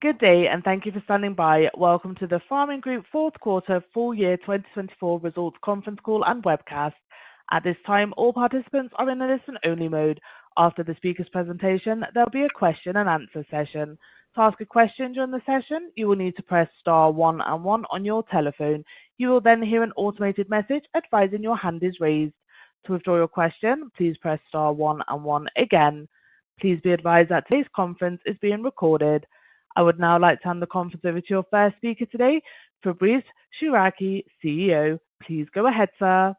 Good day, and thank you for standing by. Welcome to the Pharming Group Fourth Quarter Full Year 2024 Results Conference Call and Webcast. At this time, all participants are in a listen-only mode. After the speaker's presentation, there'll be a question-and-answer session. To ask a question during the session, you will need to press star one and one on your telephone. You will then hear an automated message advising your hand is raised. To withdraw your question, please press star one and one again. Please be advised that today's conference is being recorded. I would now like to hand the conference over to our first speaker today, Fabrice Chouraqui, CEO. Please go ahead, sir.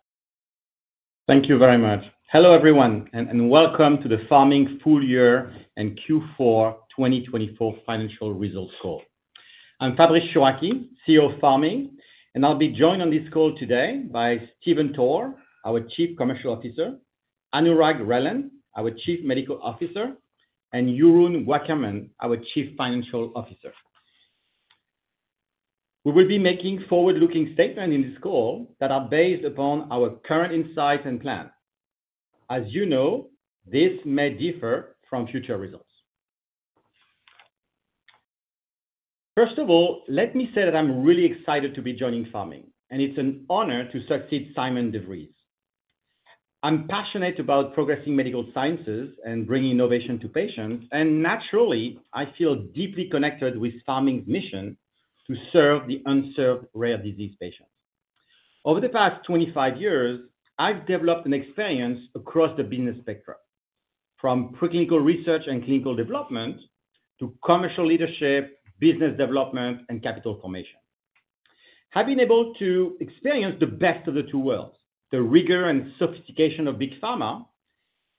Thank you very much. Hello, everyone, and welcome to the Pharming Full Year and Q4 2024 Financial Results Call. I'm Fabrice Chouraqui, CEO of Pharming, and I'll be joined on this call today by Stephen Toor, our Chief Commercial Officer; Anurag Relan, our Chief Medical Officer; and Jeroen Wakkerman, our Chief Financial Officer. We will be making forward-looking statements in this call that are based upon our current insights and plans. As you know, this may differ from future results. First of all, let me say that I'm really excited to be joining Pharming, and it's an honor to succeed Sijmen de Vries. I'm passionate about progressing medical sciences and bringing innovation to patients, and naturally, I feel deeply connected with Pharming's mission to serve the unserved rare disease patients. Over the past 25 years, I've developed an experience across the business spectrum, from preclinical research and clinical development to commercial leadership, business development, and capital formation. I've been able to experience the best of the two worlds: the rigor and sophistication of big pharma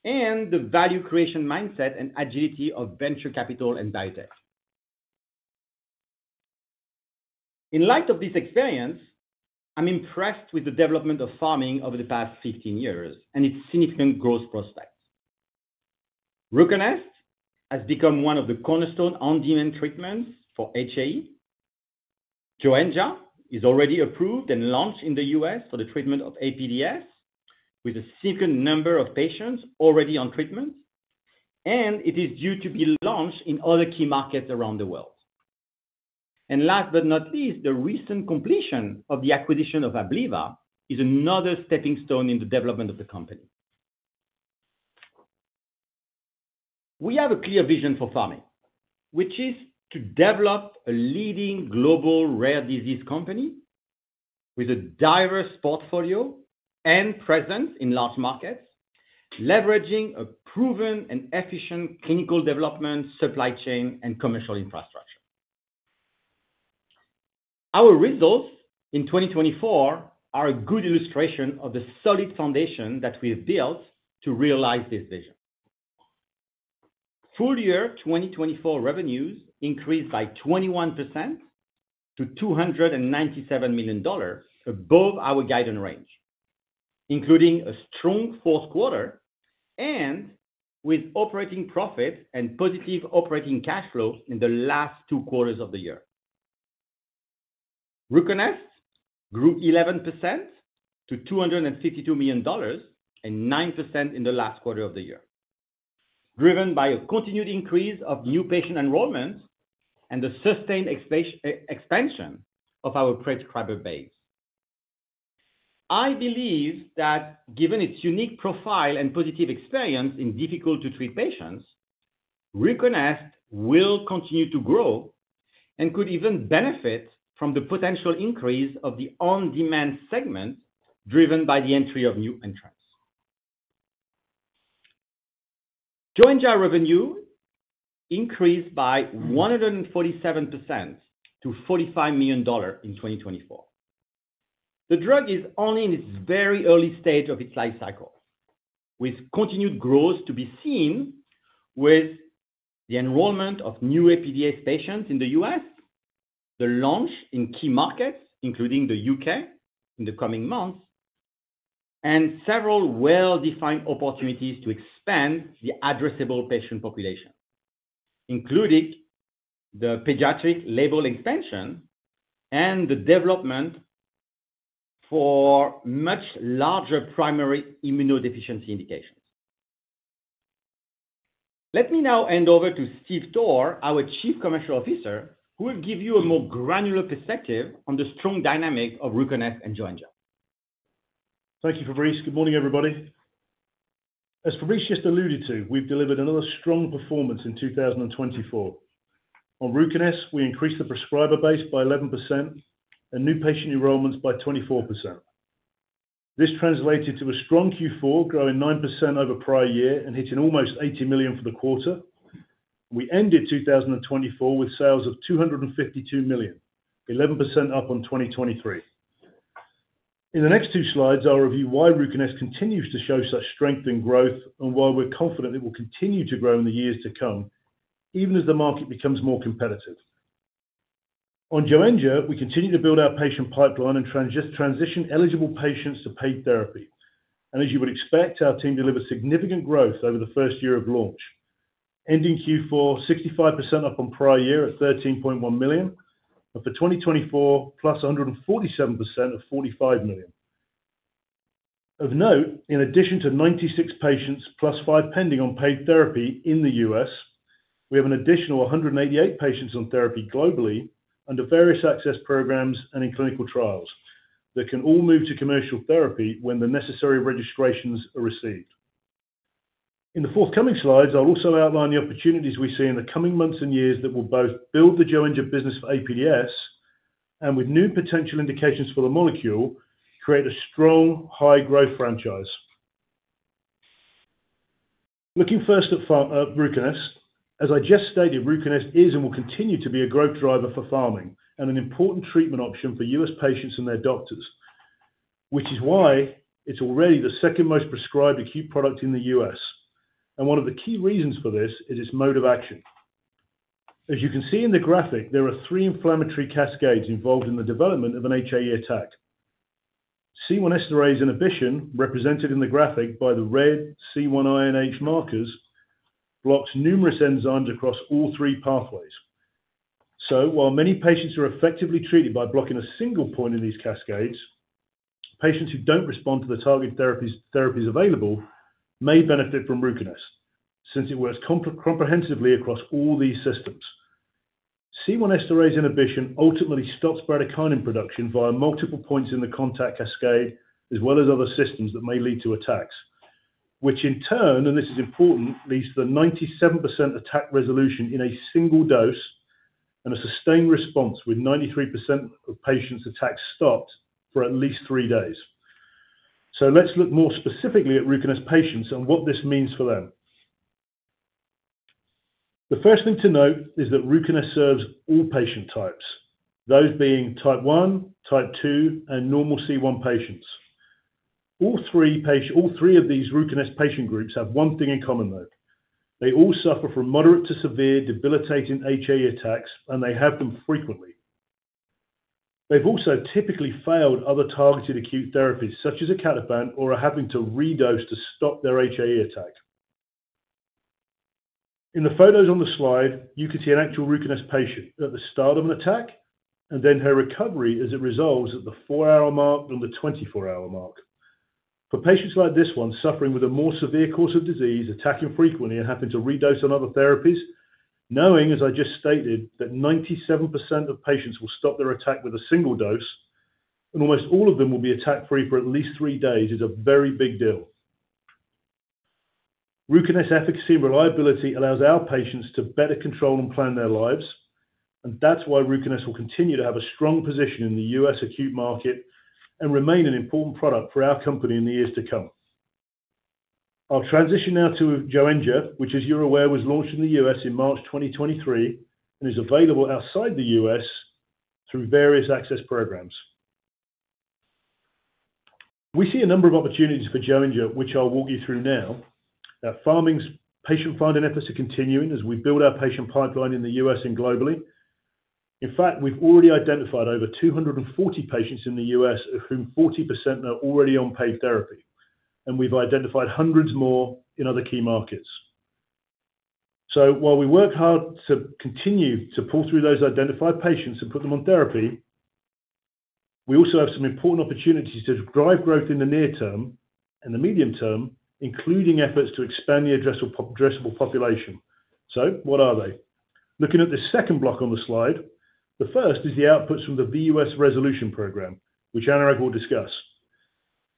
and the value creation mindset and agility of venture capital and biotech. In light of this experience, I'm impressed with the development of Pharming over the past 15 years and its significant growth prospects. RUCONEST has become one of the cornerstone on-demand treatments for HAE. Joenja is already approved and launched in the U.S. for the treatment of APDS, with a significant number of patients already on treatment, and it is due to be launched in other key markets around the world. Last but not least, the recent completion of the acquisition of Abliva is another stepping stone in the development of the company. We have a clear vision for Pharming, which is to develop a leading global rare disease company with a diverse portfolio and presence in large markets, leveraging a proven and efficient clinical development, supply chain, and commercial infrastructure. Our results in 2024 are a good illustration of the solid foundation that we've built to realize this vision. Full year 2024 revenues increased by 21% to $297 million, above our guidance range, including a strong fourth quarter and with operating profit and positive operating cash flow in the last two quarters of the year. RUCONEST grew 11% to $252 million and 9% in the last quarter of the year, driven by a continued increase of new patient enrollment and the sustained expansion of our prescriber base. I believe that given its unique profile and positive experience in difficult-to-treat patients, RUCONEST will continue to grow and could even benefit from the potential increase of the on-demand segment driven by the entry of new entrants. Joenja revenue increased by 147% to $45 million in 2024. The drug is only in its very early stage of its life cycle, with continued growth to be seen with the enrollment of new APDS patients in the U.S., the launch in key markets, including the U.K., in the coming months, and several well-defined opportunities to expand the addressable patient population, including the pediatric label expansion and the development for much larger primary immunodeficiency indications. Let me now hand over to Stephen Toor, our Chief Commercial Officer, who will give you a more granular perspective on the strong dynamic of RUCONEST and Joenja. Thank you, Fabrice. Good morning, everybody. As Fabrice just alluded to, we've delivered another strong performance in 2024. On RUCONEST, we increased the prescriber base by 11% and new patient enrollments by 24%. This translated to a strong Q4, growing 9% over prior year and hitting almost $80 million for the quarter. We ended 2024 with sales of $252 million, 11% up on 2023. In the next two slides, I'll review why RUCONEST continues to show such strength and growth and why we're confident it will continue to grow in the years to come, even as the market becomes more competitive. On Joenja, we continue to build our patient pipeline and transition eligible patients to paid therapy. As you would expect, our team delivered significant growth over the first year of launch, ending Q4 65% up on prior year at $13.1 million, and for 2024, +147% at $45 million. Of note, in addition to 96 patients plus 5 pending on paid therapy in the U.S., we have an additional 188 patients on therapy globally under various access programs and in clinical trials that can all move to commercial therapy when the necessary registrations are received. In the forthcoming slides, I'll also outline the opportunities we see in the coming months and years that will both build the Joenja business for APDS and, with new potential indications for the molecule, create a strong, high-growth franchise. Looking first at RUCONEST, as I just stated, RUCONEST is and will continue to be a growth driver for Pharming and an important treatment option for US patients and their doctors, which is why it's already the second most prescribed acute product in the U.S.. One of the key reasons for this is its mode of action. As you can see in the graphic, there are three inflammatory cascades involved in the development of an HAE attack. C1 esterase inhibition, represented in the graphic by the red C1 INH markers, blocks numerous enzymes across all three pathways. While many patients are effectively treated by blocking a single point in these cascades, patients who do not respond to the target therapies available may benefit from RUCONEST since it works comprehensively across all these systems. C1 esterase inhibition ultimately stops bradykinin production via multiple points in the contact cascade, as well as other systems that may lead to attacks, which in turn, and this is important, leads to the 97% attack resolution in a single dose and a sustained response with 93% of patients' attacks stopped for at least three days. Let's look more specifically at RUCONEST patients and what this means for them. The first thing to note is that RUCONEST serves all patient types, those being type 1, type 2, and normal C1 patients. All three of these RUCONEST patient groups have one thing in common, though. They all suffer from moderate to severe debilitating HAE attacks, and they have them frequently. They've also typically failed other targeted acute therapies, such as acatapant or are having to redose to stop their HAE attack. In the photos on the slide, you can see an actual RUCONEST patient at the start of an attack and then her recovery as it resolves at the four-hour mark and the 24-hour mark. For patients like this one, suffering with a more severe course of disease, attacking frequently and having to redose on other therapies, knowing, as I just stated, that 97% of patients will stop their attack with a single dose and almost all of them will be attack-free for at least three days, is a very big deal. RUCONEST's efficacy and reliability allows our patients to better control and plan their lives, and that's why RUCONEST will continue to have a strong position in the US acute market and remain an important product for our company in the years to come. I'll transition now to Joenja, which, as you're aware, was launched in the U.S. in March 2023 and is available outside the U.S. through various access programs. We see a number of opportunities for Joenja, which I'll walk you through now. Our Pharming's patient-funding efforts are continuing as we build our patient pipeline in the U.S. and globally. In fact, we've already identified over 240 patients in the U.S., of whom 40% are already on paid therapy, and we've identified hundreds more in other key markets. While we work hard to continue to pull through those identified patients and put them on therapy, we also have some important opportunities to drive growth in the near term and the medium term, including efforts to expand the addressable population. What are they? Looking at the second block on the slide, the first is the outputs from the VUS Resolution Program, which Anurag will discuss.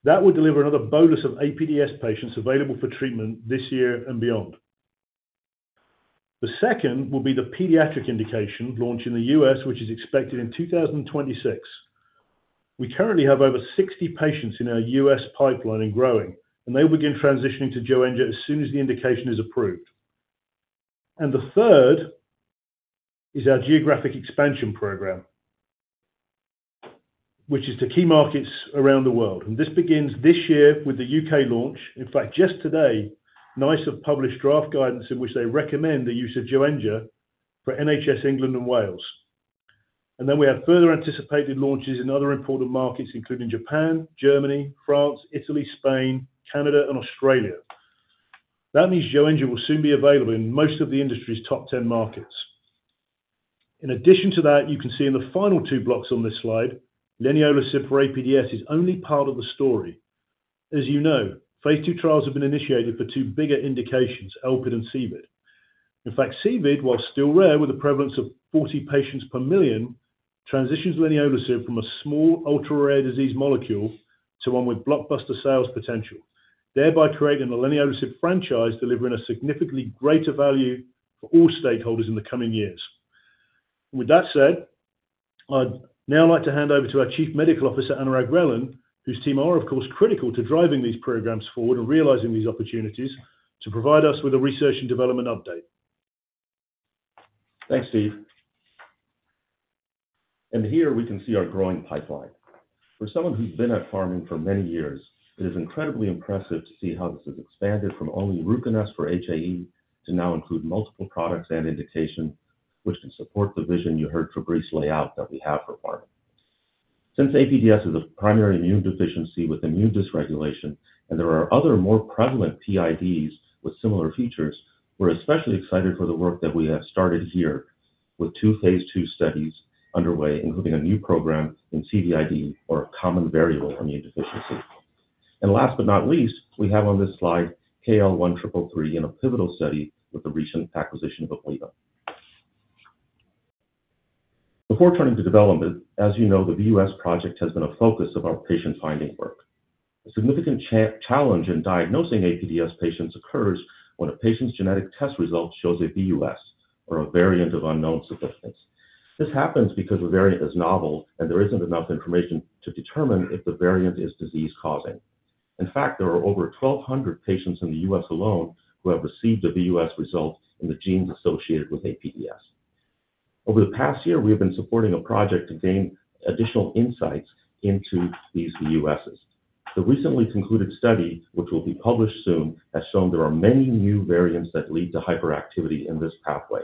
That will deliver another bonus of APDS patients available for treatment this year and beyond. The second will be the pediatric indication launched in the U.S., which is expected in 2026. We currently have over 60 patients in our U.S. pipeline and growing, and they'll begin transitioning to Joenja as soon as the indication is approved. The third is our geographic expansion program, which is to key markets around the world. This begins this year with the U.K. launch. In fact, just today, NICE have published draft guidance in which they recommend the use of Joenja for NHS England and Wales. We have further anticipated launches in other important markets, including Japan, Germany, France, Italy, Spain, Canada, and Australia. That means Joenja will soon be available in most of the industry's top 10 markets. In addition to that, you can see in the final two blocks on this slide, leniolisib for APDS is only part of the story. As you know, phase II trials have been initiated for two bigger indications, APDS and CVID. In fact, CVID, while still rare with a prevalence of 40 patients per million, transitions leniolisib from a small ultra-rare disease molecule to one with blockbuster sales potential, thereby creating a leniolisib franchise delivering a significantly greater value for all stakeholders in the coming years. With that said, I'd now like to hand over to our Chief Medical Officer, Anurag Relan, whose team are, of course, critical to driving these programs forward and realizing these opportunities to provide us with a research and development update. Thanks, Steve. Here we can see our growing pipeline. For someone who's been at Pharming for many years, it is incredibly impressive to see how this has expanded from only RUCONEST for HAE to now include multiple products and indications which can support the vision you heard Fabrice lay out that we have for Pharming. Since APDS is a primary immune deficiency with immune dysregulation and there are other more prevalent PIDs with similar features, we're especially excited for the work that we have started here with two phase II studies underway, including a new program in CVID or common variable immune deficiency. Last but not least, we have on this slide KL1333 in a pivotal study with the recent acquisition of Abliva. Before turning to development, as you know, the VUS project has been a focus of our patient-finding work. A significant challenge in diagnosing APDS patients occurs when a patient's genetic test result shows a VUS or a variant of unknown significance. This happens because the variant is novel and there isn't enough information to determine if the variant is disease-causing. In fact, there are over 1,200 patients in the U.S. alone who have received a VUS result in the genes associated with APDS. Over the past year, we have been supporting a project to gain additional insights into these VUSs. The recently concluded study, which will be published soon, has shown there are many new variants that lead to hyperactivity in this pathway.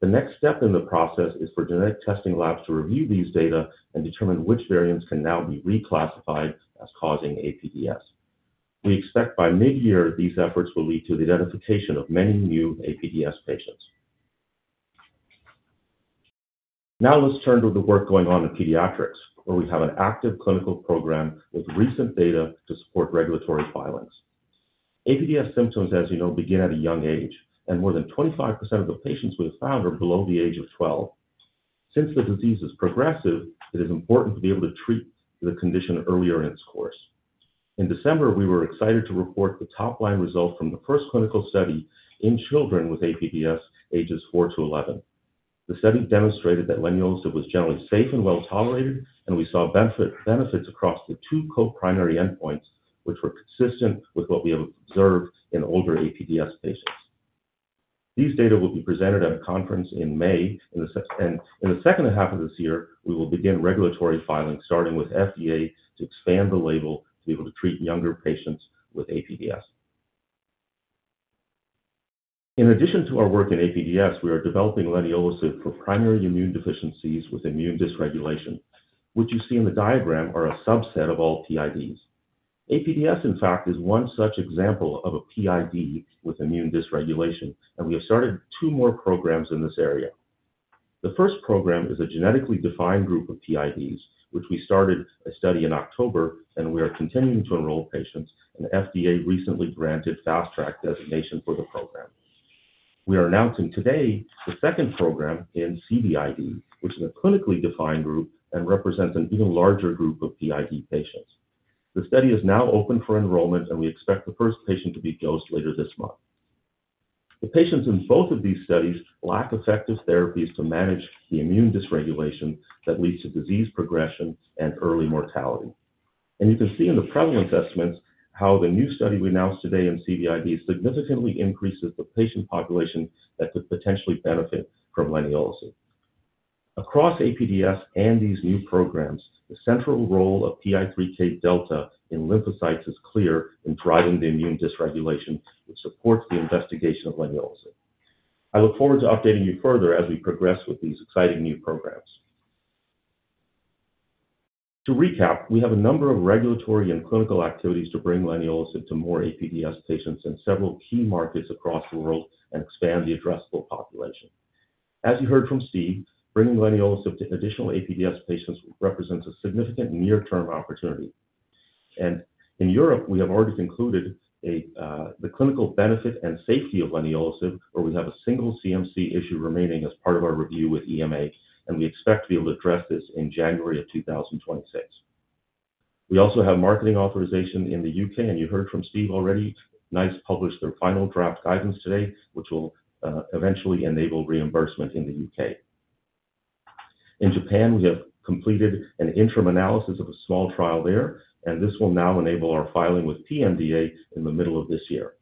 The next step in the process is for genetic testing labs to review these data and determine which variants can now be reclassified as causing APDS. We expect by mid-year, these efforts will lead to the identification of many new APDS patients. Now let's turn to the work going on in pediatrics, where we have an active clinical program with recent data to support regulatory filings. APDS symptoms, as you know, begin at a young age, and more than 25% of the patients we have found are below the age of 12. Since the disease is progressive, it is important to be able to treat the condition earlier in its course. In December, we were excited to report the top-line result from the first clinical study in children with APDS ages 4-11. The study demonstrated that leniolisib was generally safe and well tolerated, and we saw benefits across the two co-primary endpoints, which were consistent with what we have observed in older APDS patients. These data will be presented at a conference in May, and in the second half of this year, we will begin regulatory filing, starting with FDA to expand the label to be able to treat younger patients with APDS. In addition to our work in APDS, we are developing leniolisib for primary immune deficiencies with immune dysregulation, which you see in the diagram are a subset of all PIDs. APDS, in fact, is one such example of a PID with immune dysregulation, and we have started two more programs in this area. The first program is a genetically defined group of PIDs, which we started a study in October, and we are continuing to enroll patients, and FDA recently granted fast-track designation for the program. We are announcing today the second program in CVID, which is a clinically defined group and represents an even larger group of PID patients. The study is now open for enrollment, and we expect the first patient to be dosed later this month. The patients in both of these studies lack effective therapies to manage the immune dysregulation that leads to disease progression and early mortality. You can see in the prevalence estimates how the new study we announced today in CVID significantly increases the patient population that could potentially benefit from leniolisib. Across APDS and these new programs, the central role of PI3K delta in lymphocytes is clear in driving the immune dysregulation, which supports the investigation of leniolisib. I look forward to updating you further as we progress with these exciting new programs. To recap, we have a number of regulatory and clinical activities to bring leniolisib to more APDS patients in several key markets across the world and expand the addressable population. As you heard from Steve, bringing leniolisib to additional APDS patients represents a significant near-term opportunity. In Europe, we have already concluded the clinical benefit and safety of leniolisib, where we have a single CMC issue remaining as part of our review with EMA, and we expect to be able to address this in January of 2026. We also have marketing authorization in the U.K., and you heard from Steve already. NICE published their final draft guidance today, which will eventually enable reimbursement in the U.K. In Japan, we have completed an interim analysis of a small trial there, and this will now enable our filing with PMDA in the middle of this year.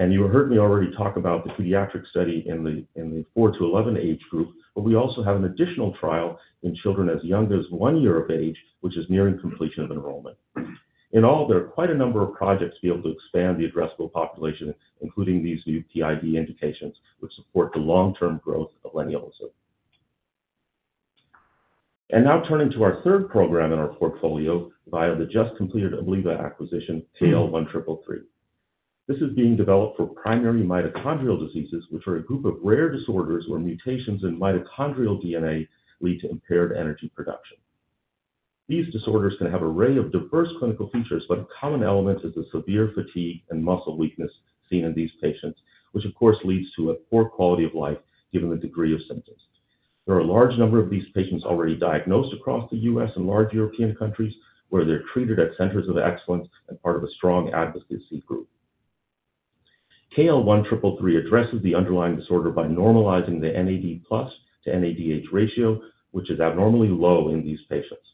You heard me already talk about the pediatric study in the 4-11 age group, but we also have an additional trial in children as young as one year of age, which is nearing completion of enrollment. In all, there are quite a number of projects to be able to expand the addressable population, including these new PID indications, which support the long-term growth of leniolisib. Now turning to our third program in our portfolio via the just completed Abliva acquisition, KL1333. This is being developed for primary mitochondrial diseases, which are a group of rare disorders where mutations in mitochondrial DNA lead to impaired energy production. These disorders can have an array of diverse clinical features, but a common element is the severe fatigue and muscle weakness seen in these patients, which, of course, leads to a poor quality of life given the degree of symptoms. There are a large number of these patients already diagnosed across the U.S. and large European countries where they're treated at centers of excellence and part of a strong advocacy group. KL1333 addresses the underlying disorder by normalizing the NAD+ to NADH ratio, which is abnormally low in these patients.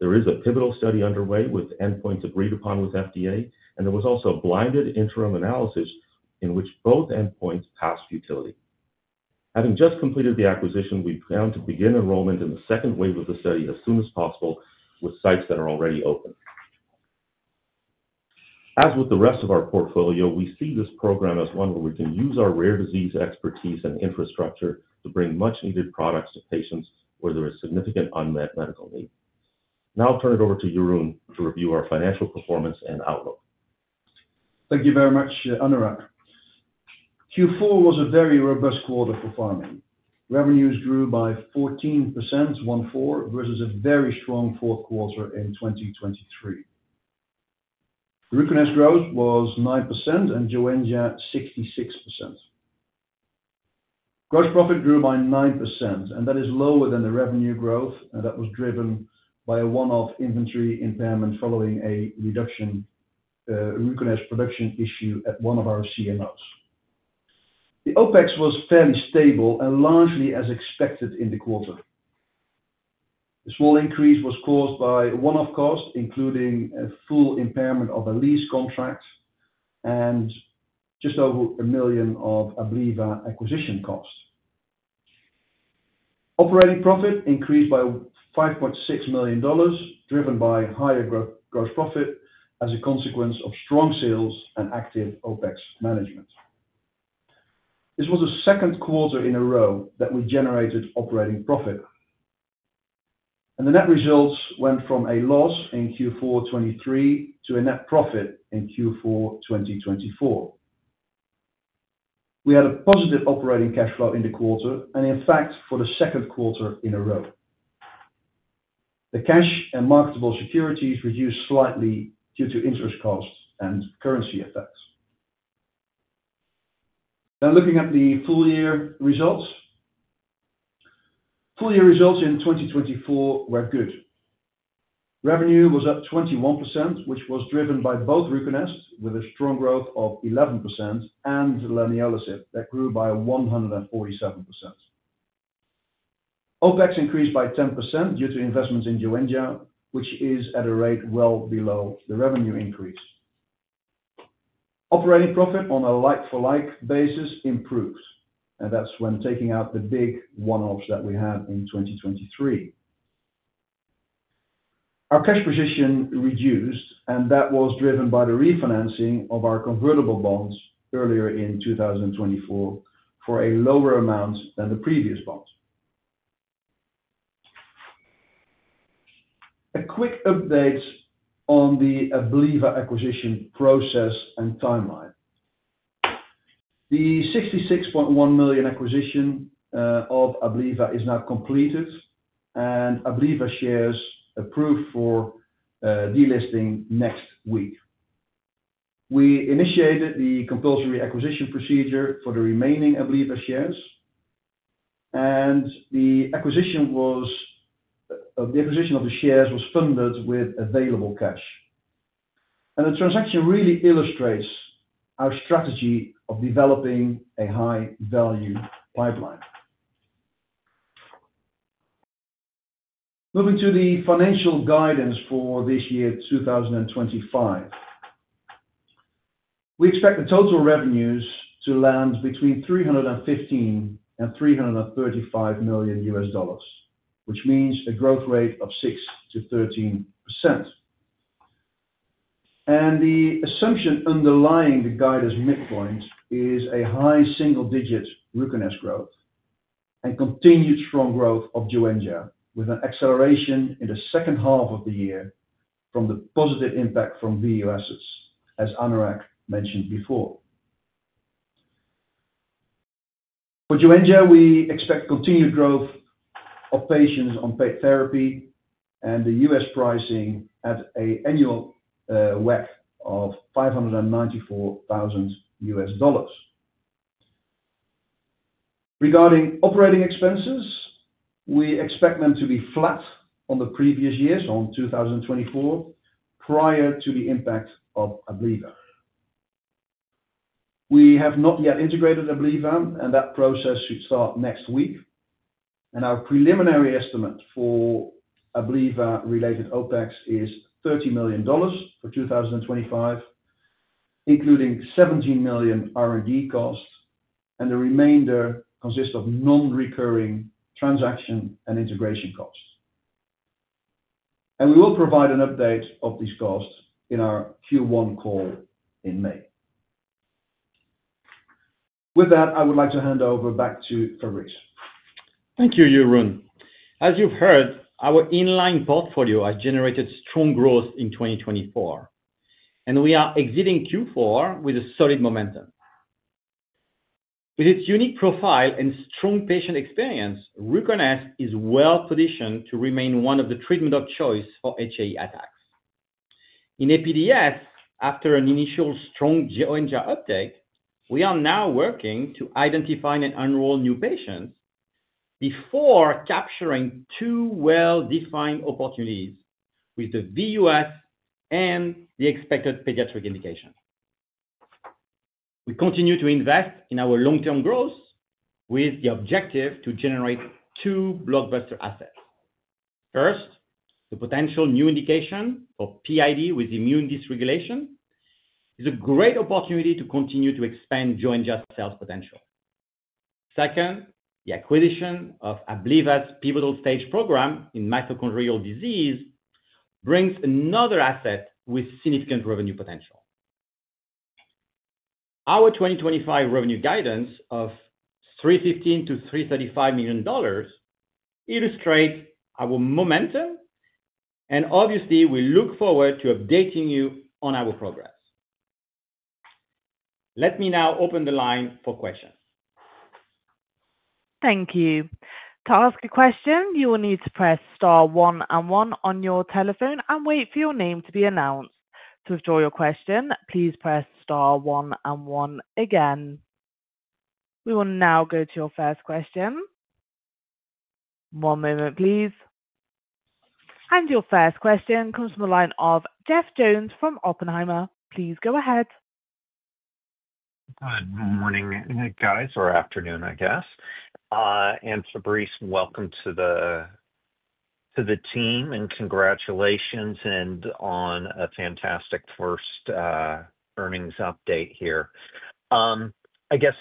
There is a pivotal study underway with endpoints agreed upon with FDA, and there was also a blinded interim analysis in which both endpoints passed futility. Having just completed the acquisition, we plan to begin enrollment in the second wave of the study as soon as possible with sites that are already open. As with the rest of our portfolio, we see this program as one where we can use our rare disease expertise and infrastructure to bring much-needed products to patients where there is significant unmet medical need. Now I'll turn it over to Jeroen to review our financial performance and outlook. Thank you very much, Anurag. Q4 was a very robust quarter for Pharming. Revenues grew by 14%, one-fourth, versus a very strong fourth quarter in 2023. RUCONEST growth was 9% and Joenja 66%. Gross profit grew by 9%, and that is lower than the revenue growth that was driven by a one-off inventory impairment following a reduction in RUCONEST production issue at one of our CMOs. The OpEx was fairly stable and largely as expected in the quarter. A small increase was caused by one-off costs, including a full impairment of a lease contract and just over a million of Abliva acquisition costs. Operating profit increased by $5.6 million, driven by higher gross profit as a consequence of strong sales and active OpEx management. This was the second quarter in a row that we generated operating profit. The net results went from a loss in Q4 2023 to a net profit in Q4 2024. We had a positive operating cash flow in the quarter and, in fact, for the second quarter in a row. The cash and marketable securities reduced slightly due to interest costs and currency effects. Now looking at the full-year results. Full-year results in 2024 were good. Revenue was up 21%, which was driven by both RUCONEST with a strong growth of 11% and leniolisib that grew by 147%. OpEx increased by 10% due to investments in Joenja, which is at a rate well below the revenue increase. Operating profit on a like-for-like basis improved, and that's when taking out the big one-offs that we had in 2023. Our cash position reduced, and that was driven by the refinancing of our convertible bonds earlier in 2024 for a lower amount than the previous bond. A quick update on the Abliva acquisition process and timeline. The $66.1 million acquisition of Abliva is now completed, and Abliva shares approved for delisting next week. We initiated the compulsory acquisition procedure for the remaining Abliva shares, and the acquisition of the shares was funded with available cash. The transaction really illustrates our strategy of developing a high-value pipeline. Moving to the financial guidance for this year, 2025. We expect the total revenues to land between $315 million and $335 million, which means a growth rate of 6%-13%. The assumption underlying the guidance midpoint is a high single-digit RUCONEST growth and continued strong growth of Joenja with an acceleration in the second half of the year from the positive impact from VUSs, as Anurag mentioned before. For Joenja, we expect continued growth of patients on paid therapy and the U.S. pricing at an annual WEC of $594,000. Regarding operating expenses, we expect them to be flat on the previous years, on 2024, prior to the impact of Abliva. We have not yet integrated Abliva, and that process should start next week. Our preliminary estimate for Abliva-related OpEx is $30 million for 2025, including $17 million R&D costs, and the remainder consists of non-recurring transaction and integration costs. We will provide an update of these costs in our Q1 call in May. With that, I would like to hand over back to Fabrice. Thank you, Jeroen. As you've heard, our inline portfolio has generated strong growth in 2024, and we are exiting Q4 with a solid momentum. With its unique profile and strong patient experience, RUCONEST is well positioned to remain one of the treatment of choice for HAE attacks. In APDS, after an initial strong Joenja uptake, we are now working to identify and enroll new patients before capturing two well-defined opportunities with the VUS and the expected pediatric indication. We continue to invest in our long-term growth with the objective to generate two blockbuster assets. First, the potential new indication for PID with immune dysregulation is a great opportunity to continue to expand Joenja's sales potential. Second, the acquisition of Abliva's pivotal stage program in mitochondrial disease brings another asset with significant revenue potential. Our 2025 revenue guidance of $315 million-$335 million illustrates our momentum, and obviously, we look forward to updating you on our progress. Let me now open the line for questions. Thank you. To ask a question, you will need to press star one and one on your telephone and wait for your name to be announced. To withdraw your question, please press star one and one again. We will now go to your first question. One moment, please. Your first question comes from the line of Jeff Jones from Oppenheimer. Please go ahead. Good morning, guys, or afternoon, I guess. Fabrice, welcome to the team and congratulations on a fantastic first earnings update here. I guess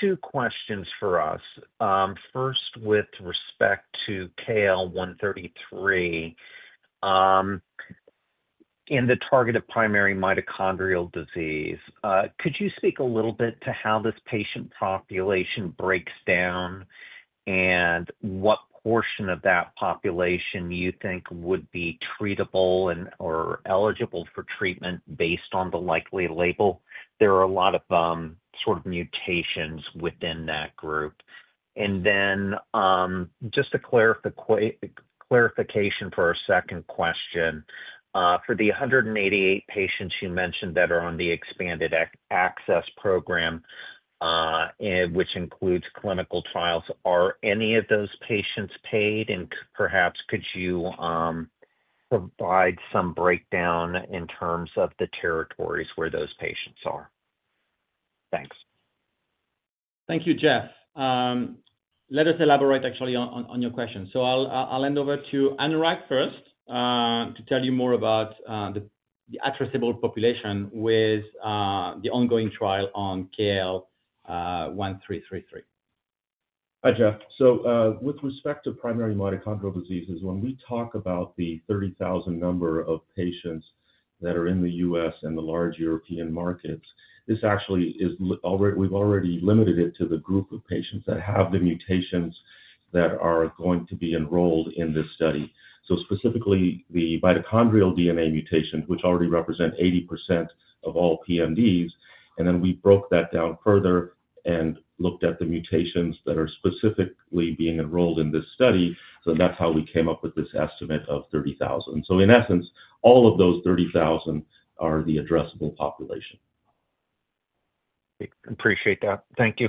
two questions for us. First, with respect to KL1333 in the targeted primary mitochondrial disease, could you speak a little bit to how this patient population breaks down and what portion of that population you think would be treatable or eligible for treatment based on the likely label? There are a lot of sort of mutations within that group. Just a clarification for our second question. For the 188 patients you mentioned that are on the expanded access program, which includes clinical trials, are any of those patients paid? Perhaps could you provide some breakdown in terms of the territories where those patients are? Thanks. Thank you, Jeff. Let us elaborate actually on your question. I'll hand over to Anurag first to tell you more about the addressable population with the ongoing trial on KL1333. Hi, Jeff. With respect to primary mitochondrial diseases, when we talk about the 30,000 number of patients that are in the U.S. and the large European markets, this actually is already, we've already limited it to the group of patients that have the mutations that are going to be enrolled in this study. Specifically, the mitochondrial DNA mutations, which already represent 80% of all PMDs. We broke that down further and looked at the mutations that are specifically being enrolled in this study. That is how we came up with this estimate of 30,000. In essence, all of those 30,000 are the addressable population. Appreciate that. Thank you.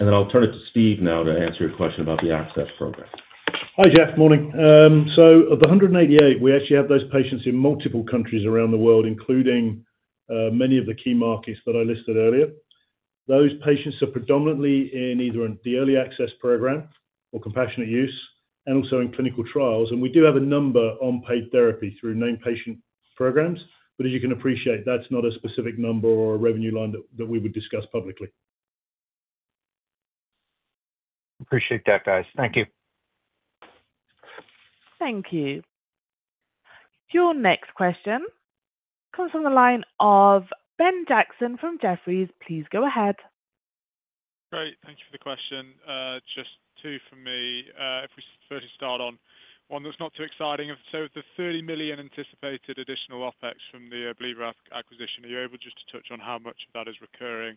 I'll turn it to Steve now to answer your question about the access program. Hi, Jeff. Morning. Of the 188, we actually have those patients in multiple countries around the world, including many of the key markets that I listed earlier. Those patients are predominantly in either the early access program or compassionate use and also in clinical trials. We do have a number on paid therapy through named patient programs. As you can appreciate, that's not a specific number or a revenue line that we would discuss publicly. Appreciate that, guys. Thank you. Thank you. Your next question comes from the line of Ben Jackson from Jefferies. Please go ahead. Great. Thank you for the question. Just two for me. If we first start on one that's not too exciting. The $30 million anticipated additional OpEx from the Abliva acquisition, are you able just to touch on how much of that is recurring?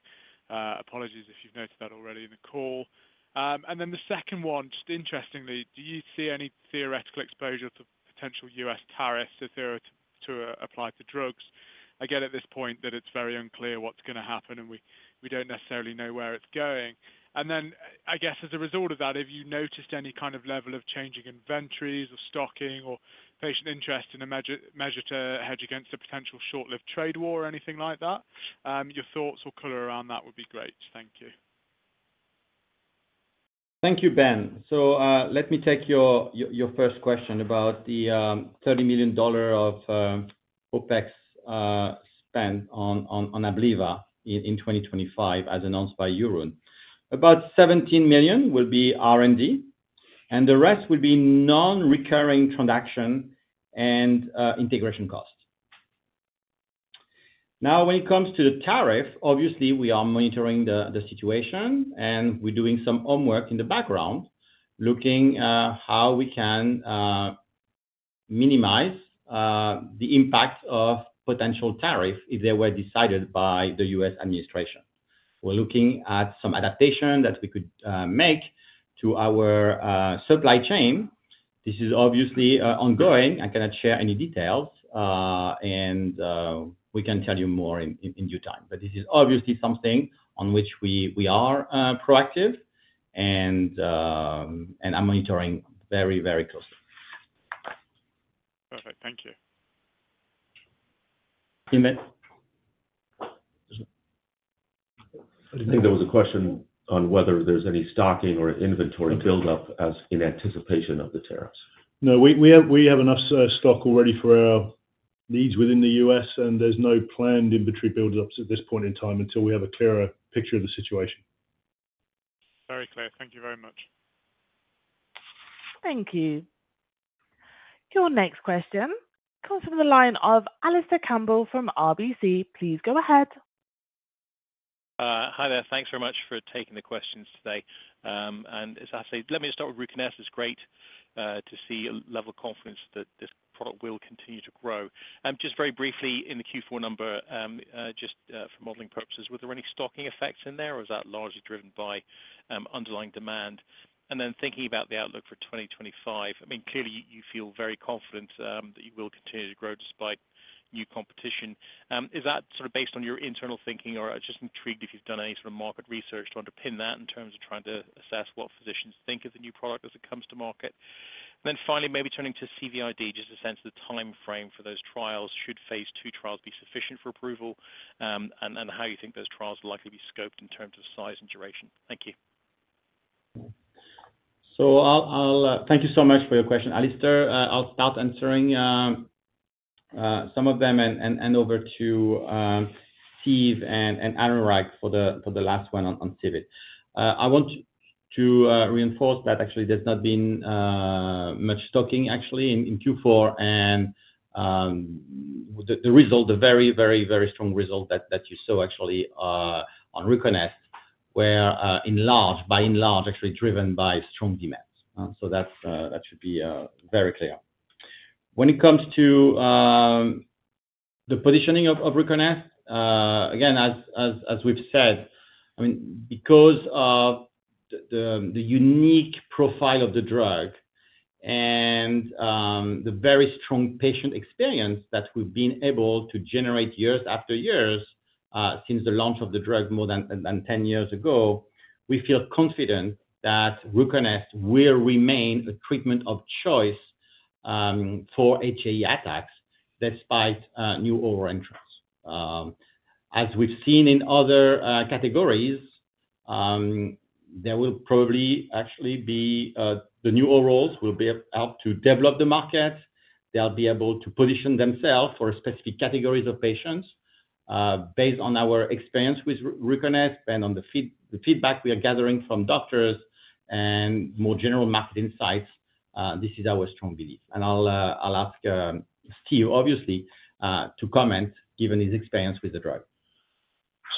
Apologies if you've noted that already in the call. The second one, just interestingly, do you see any theoretical exposure to potential U.S. tariffs if they were to apply to drugs? At this point, it's very unclear what's going to happen and we don't necessarily know where it's going. I guess as a result of that, have you noticed any kind of level of changing inventories or stocking or patient interest in a measure to hedge against a potential short-lived trade war or anything like that? Your thoughts or color around that would be great. Thank you. Thank you, Ben. Let me take your first question about the $30 million of OpEx spent on Abliva in 2025 as announced by Jeroen. About $17 million will be R&D, and the rest will be non-recurring transaction and integration costs. Now, when it comes to the tariff, obviously, we are monitoring the situation and we're doing some homework in the background looking at how we can minimize the impact of potential tariff if they were decided by the U.S. administration. We're looking at some adaptation that we could make to our supply chain. This is obviously ongoing. I cannot share any details, and we can tell you more in due time. This is obviously something on which we are proactive, and I'm monitoring very, very closely. Perfect. Thank you. I think there was a question on whether there's any stocking or inventory buildup in anticipation of the tariffs. No, we have enough stock already for our needs within the U.S., and there's no planned inventory buildups at this point in time until we have a clearer picture of the situation. Very clear. Thank you very much. Thank you. Your next question comes from the line of Alistair Campbell from RBC. Please go ahead. Hi there. Thanks very much for taking the questions today. As I say, let me just start with RUCONEST. It's great to see a level of confidence that this product will continue to grow. Just very briefly, in the Q4 number, just for modeling purposes, were there any stocking effects in there, or is that largely driven by underlying demand? Thinking about the outlook for 2025, I mean, clearly, you feel very confident that you will continue to grow despite new competition. Is that sort of based on your internal thinking, or I'm just intrigued if you've done any sort of market research to underpin that in terms of trying to assess what physicians think of the new product as it comes to market? Finally, maybe turning to CVID, just a sense of the timeframe for those trials. Should phase II trials be sufficient for approval, and how you think those trials will likely be scoped in terms of size and duration? Thank you. Thank you so much for your question, Alistair. I'll start answering some of them and hand over to Stephen and Anurag for the last one on CVID. I want to reinforce that actually there's not been much stocking actually in Q4, and the result, the very, very, very strong result that you saw actually on RUCONEST were by and large actually driven by strong demand. That should be very clear. When it comes to the positioning of RUCONEST, again, as we've said, I mean, because of the unique profile of the drug and the very strong patient experience that we've been able to generate years after years since the launch of the drug more than 10 years ago, we feel confident that RUCONEST will remain a treatment of choice for HAE attacks despite new over entrants. As we've seen in other categories, there will probably actually be the new overalls will be helped to develop the market. They'll be able to position themselves for specific categories of patients. Based on our experience with RUCONEST and on the feedback we are gathering from doctors and more general market insights, this is our strong belief. I will ask Stephen, obviously, to comment given his experience with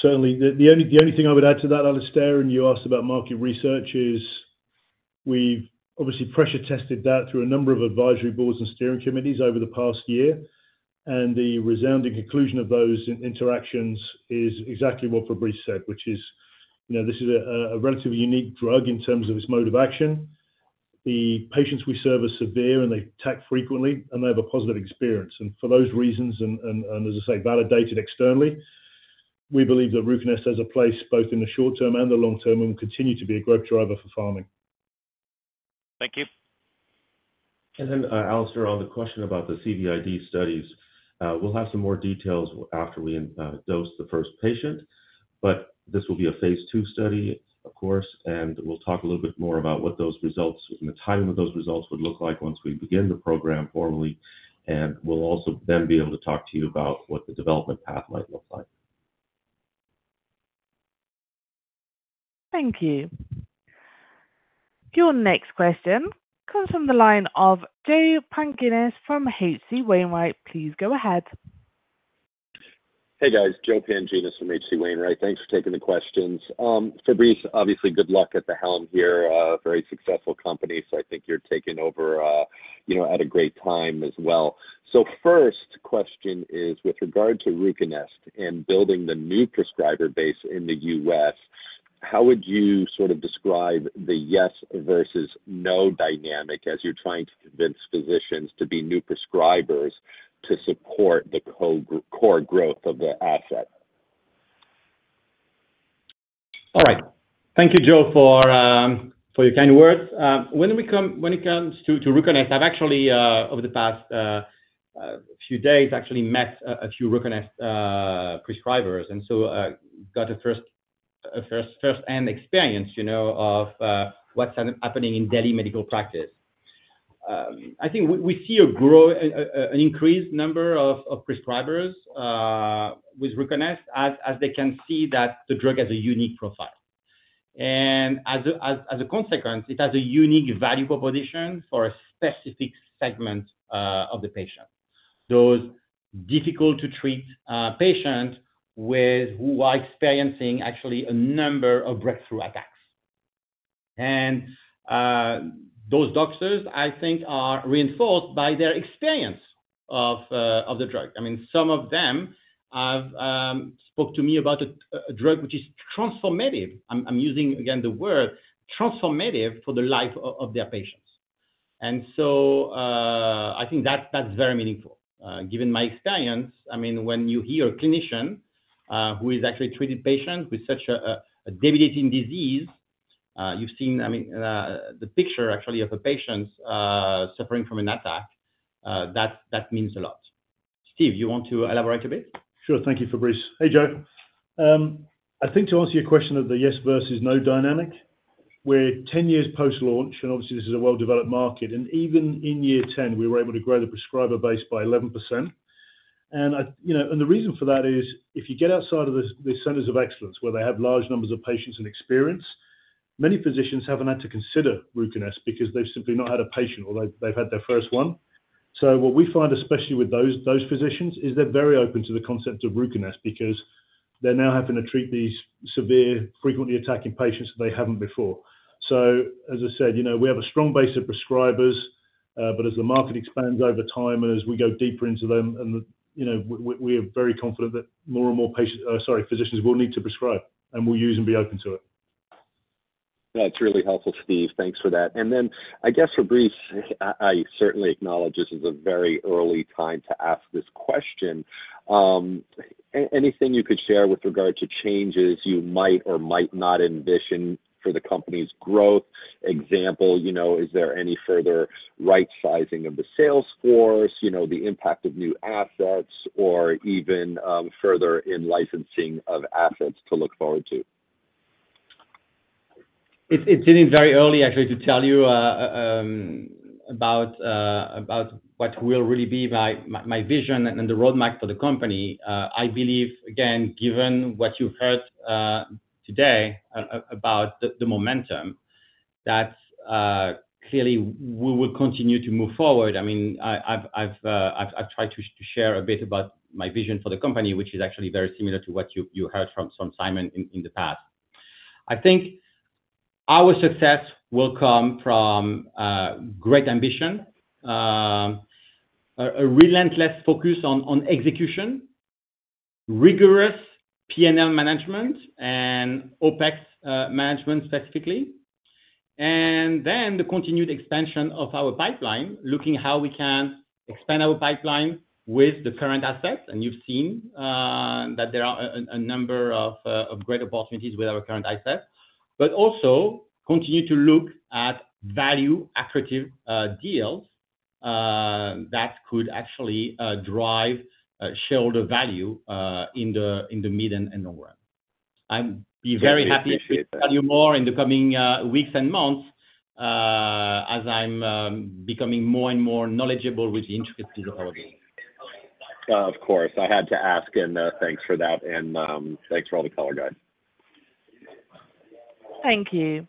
the drug. Certainly. The only thing I would add to that, Alistair, and you asked about market research, is we've obviously pressure tested that through a number of advisory boards and steering committees over the past year. The resounding conclusion of those interactions is exactly what Fabrice said, which is this is a relatively unique drug in terms of its mode of action. The patients we serve are severe, and they attack frequently, and they have a positive experience. For those reasons, and as I say, validated externally, we believe that RUCONEST has a place both in the short term and the long term and will continue to be a growth driver for Pharming. Thank you. Alistair, on the question about the CVID studies, we'll have some more details after we dose the first patient. This will be a phase II study, of course, and we'll talk a little bit more about what those results and the timing of those results would look like once we begin the program formally. We'll also then be able to talk to you about what the development path might look like. Thank you. Your next question comes from the line of Joe Pantginis from H.C. Wainwright. Please go ahead. Hey, guys. Joe Pantginis from H.C. Wainwright. Thanks for taking the questions. Fabrice, obviously, good luck at the helm here. Very successful company. I think you're taking over at a great time as well. First question is, with regard to RUCONEST and building the new prescriber base in the U.S., how would you sort of describe the yes versus no dynamic as you're trying to convince physicians to be new prescribers to support the core growth of the asset? All right. Thank you, Joe, for your kind words. When it comes to RUCONEST, I've actually, over the past few days, actually met a few RUCONEST prescribers and got a firsthand experience of what's happening in daily medical practice. I think we see an increased number of prescribers with RUCONEST as they can see that the drug has a unique profile. As a consequence, it has a unique value proposition for a specific segment of the patient. Those difficult-to-treat patients who are experiencing actually a number of breakthrough attacks. Those doctors, I think, are reinforced by their experience of the drug. I mean, some of them have spoke to me about a drug which is transformative. I'm using, again, the word transformative for the life of their patients. I think that's very meaningful. Given my experience, I mean, when you hear a clinician who has actually treated patients with such a debilitating disease, you've seen the picture actually of a patient suffering from an attack, that means a lot. Steve, you want to elaborate a bit? Sure. Thank you, Fabrice. Hey, Joe. I think to answer your question of the yes versus no dynamic, we're 10 years post-launch, and obviously, this is a well-developed market. Even in year 10, we were able to grow the prescriber base by 11%. The reason for that is if you get outside of the centers of excellence where they have large numbers of patients and experience, many physicians haven't had to consider RUCONEST because they've simply not had a patient or they've had their first one. What we find, especially with those physicians, is they're very open to the concept of RUCONEST because they're now having to treat these severe, frequently attacking patients that they haven't before. As I said, we have a strong base of prescribers, but as the market expands over time and as we go deeper into them, we are very confident that more and more physicians will need to prescribe, and will use and be open to it. That's really helpful, Steve. Thanks for that. I guess, Fabrice, I certainly acknowledge this is a very early time to ask this question. Anything you could share with regard to changes you might or might not envision for the company's growth? Example, is there any further right-sizing of the sales force, the impact of new assets, or even further in licensing of assets to look forward to? It's very early actually to tell you about what will really be my vision and the roadmap for the company. I believe, again, given what you've heard today about the momentum, that clearly we will continue to move forward. I mean, I've tried to share a bit about my vision for the company, which is actually very similar to what you heard from Sijmen in the past. I think our success will come from great ambition, a relentless focus on execution, rigorous P&L management, and OpEx management specifically, and then the continued expansion of our pipeline, looking how we can expand our pipeline with the current assets. You've seen that there are a number of great opportunities with our current assets, but also continue to look at value-accretive deals that could actually drive shareholder value in the mid and long run. I'd be very happy to tell you more in the coming weeks and months as I'm becoming more and more knowledgeable with the intricacies of our business. Of course. I had to ask, and thanks for that, and thanks for all the color guide. Thank you.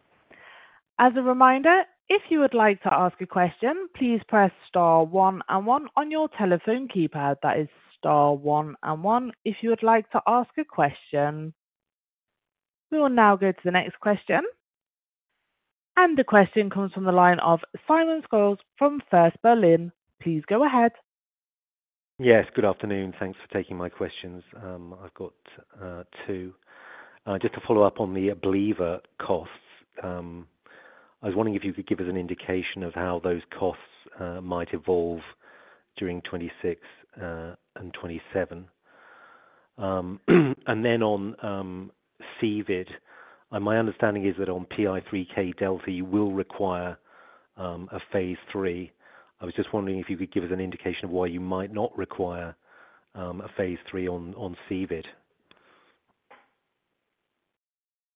As a reminder, if you would like to ask a question, please press star one and one on your telephone keypad. That is star one and one. If you would like to ask a question, we will now go to the next question. The question comes from the line of Simon Scholes from First Berlin. Please go ahead. Yes. Good afternoon. Thanks for taking my questions. I've got two. Just to follow up on the Abliva costs, I was wondering if you could give us an indication of how those costs might evolve during 2026 and 2027. On CVID, my understanding is that on PI3K delta, you will require a phase III. I was just wondering if you could give us an indication of why you might not require a phase III on CVID.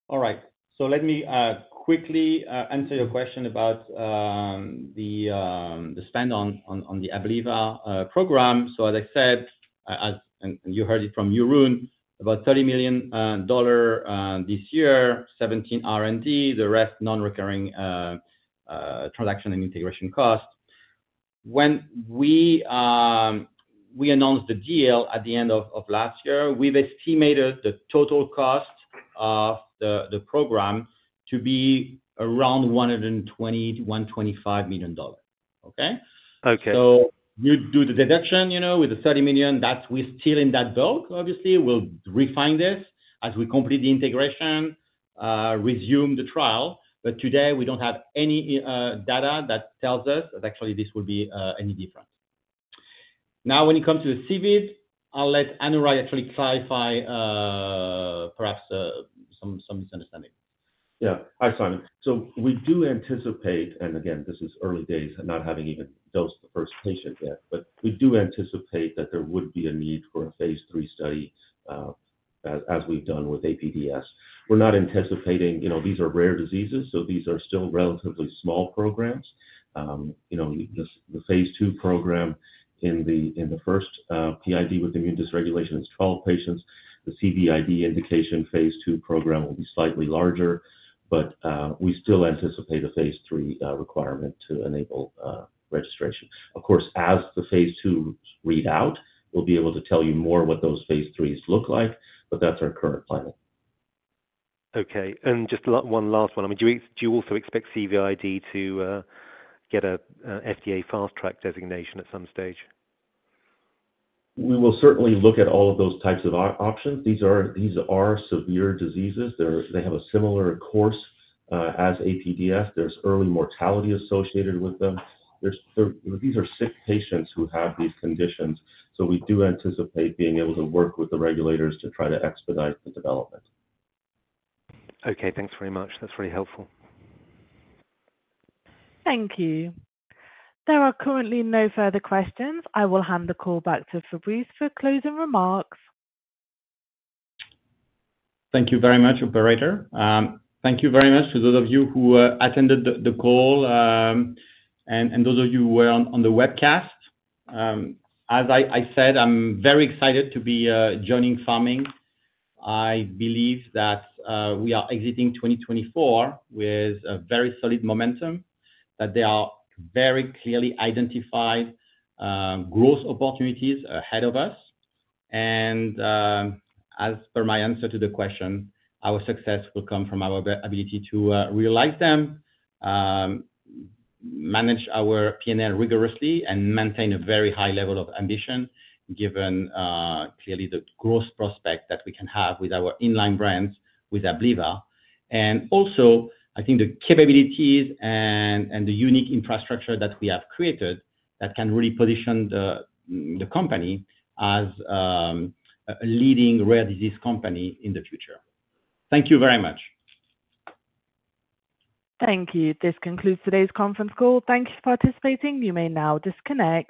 All right. Let me quickly answer your question about the spend on the Abliva Program. As I said, and you heard it from Jeroen, about $30 million this year, $17 million R&D, the rest non-recurring transaction and integration cost. When we announced the deal at the end of last year, we estimated the total cost of the program to be around $120 million-$125 million. Okay? Okay. You do the deduction with the $30 million, we're still in that bulk, obviously. We'll refine this as we complete the integration, resume the trial. Today, we don't have any data that tells us that actually this will be any different. Now, when it comes to the CVID, I'll let Anurag actually clarify perhaps some misunderstanding. Yeah. Hi, Simon. We do anticipate, and again, this is early days and not having even dosed the first patient yet, but we do anticipate that there would be a need for a phase III study as we've done with APDS. We're not anticipating these are rare diseases, so these are still relatively small programs. The phase II program in the first PID with immune dysregulation is 12 patients. The CVID indication phase II program will be slightly larger, but we still anticipate a phase III requirement to enable registration. Of course, as the phase II read out, we'll be able to tell you more what those phase III look like, but that's our current plan. Okay. Just one last one. I mean, do you also expect CVID to get an FDA fast-track designation at some stage? We will certainly look at all of those types of options. These are severe diseases. They have a similar course as APDS. There is early mortality associated with them. These are sick patients who have these conditions. We do anticipate being able to work with the regulators to try to expedite the development. Okay. Thanks very much. That's really helpful. Thank you. There are currently no further questions. I will hand the call back to Fabrice for closing remarks. Thank you very much, Operator. Thank you very much to those of you who attended the call and those of you who were on the webcast. As I said, I'm very excited to be joining Pharming. I believe that we are exiting 2024 with a very solid momentum, that there are very clearly identified growth opportunities ahead of us. As per my answer to the question, our success will come from our ability to realize them, manage our P&L rigorously, and maintain a very high level of ambition given clearly the growth prospect that we can have with our inline brands with Abliva. I think the capabilities and the unique infrastructure that we have created can really position the company as a leading rare disease company in the future. Thank you very much. Thank you. This concludes today's conference call. Thank you for participating. You may now disconnect.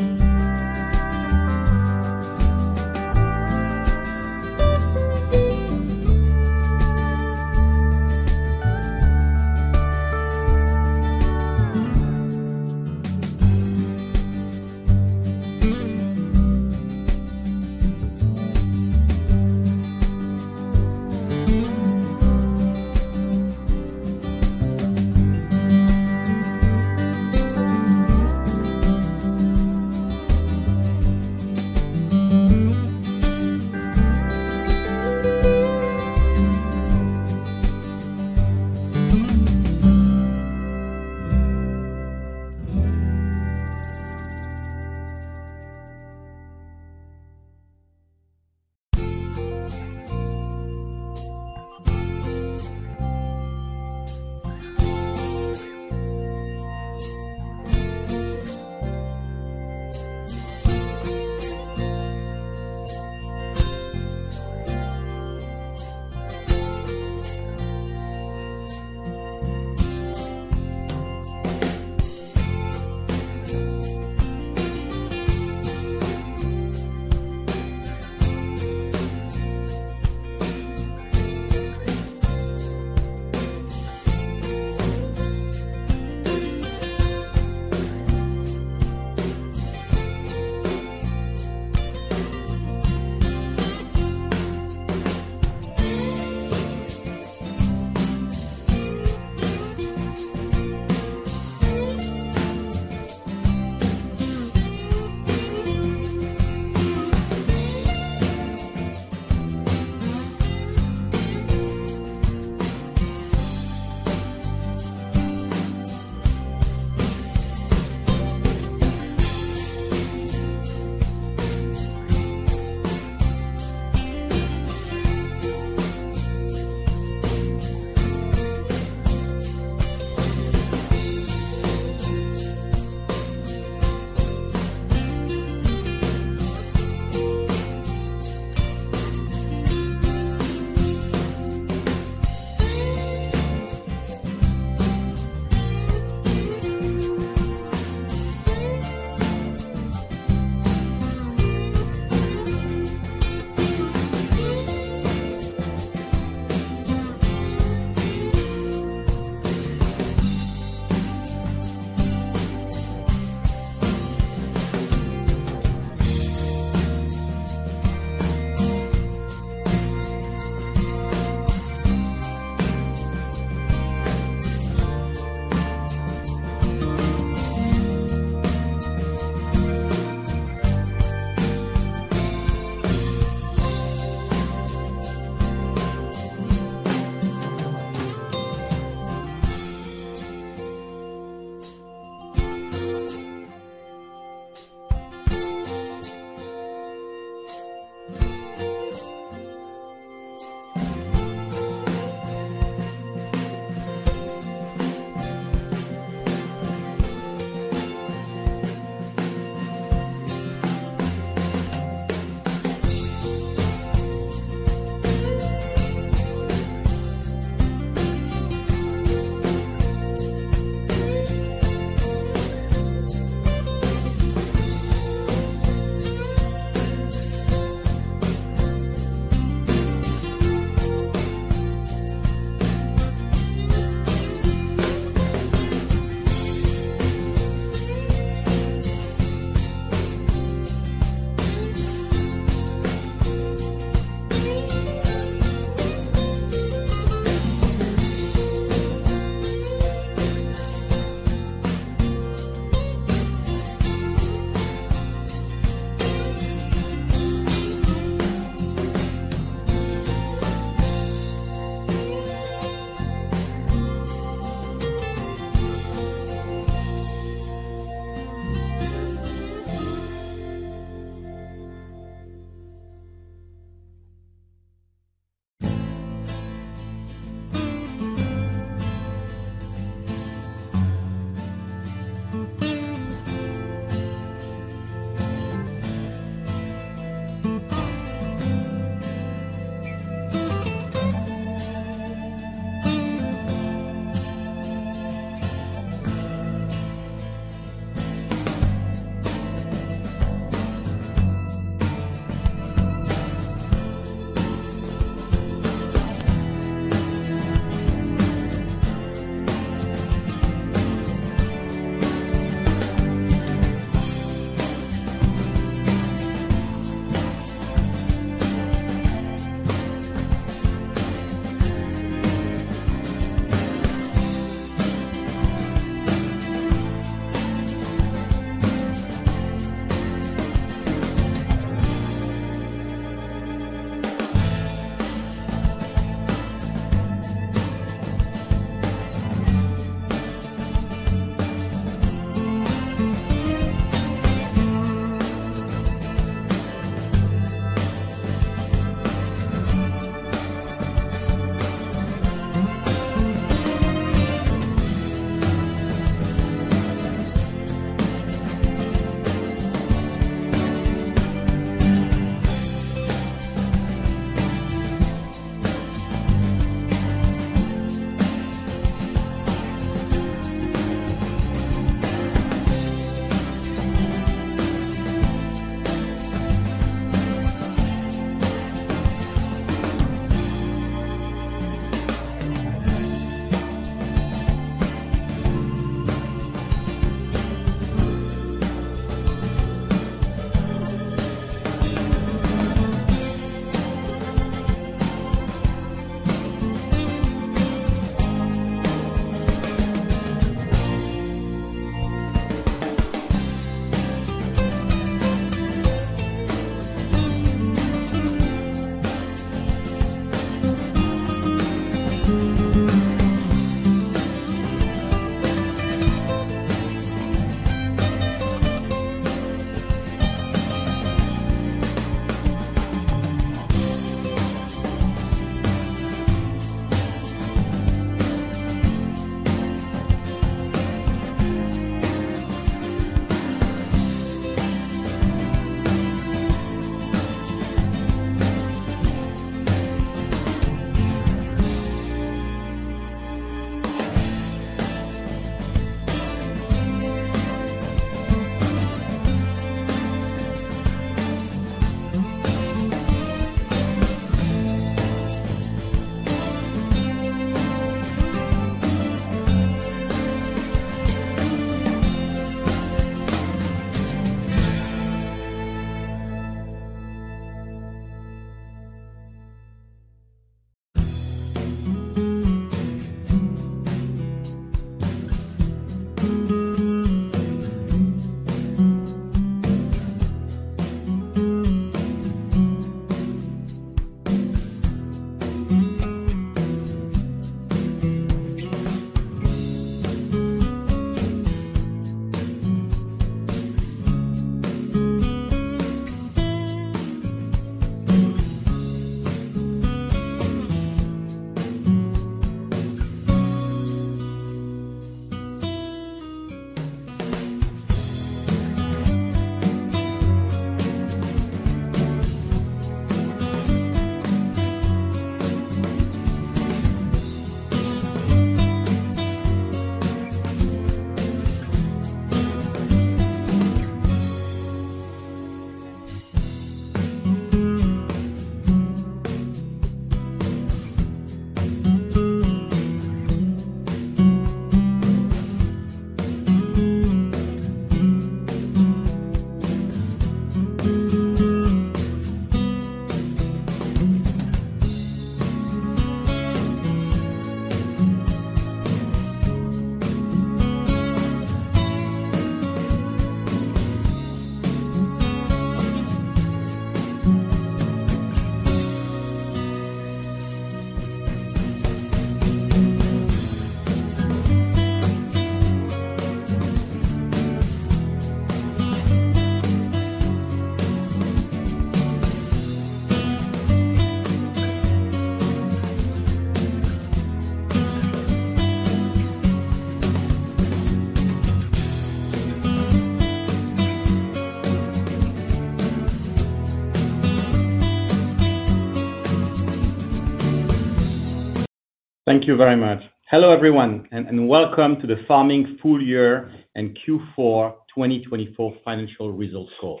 Thank you very much. Hello everyone, and welcome to the Pharming Full Year and Q4 2024 Financial Results Call.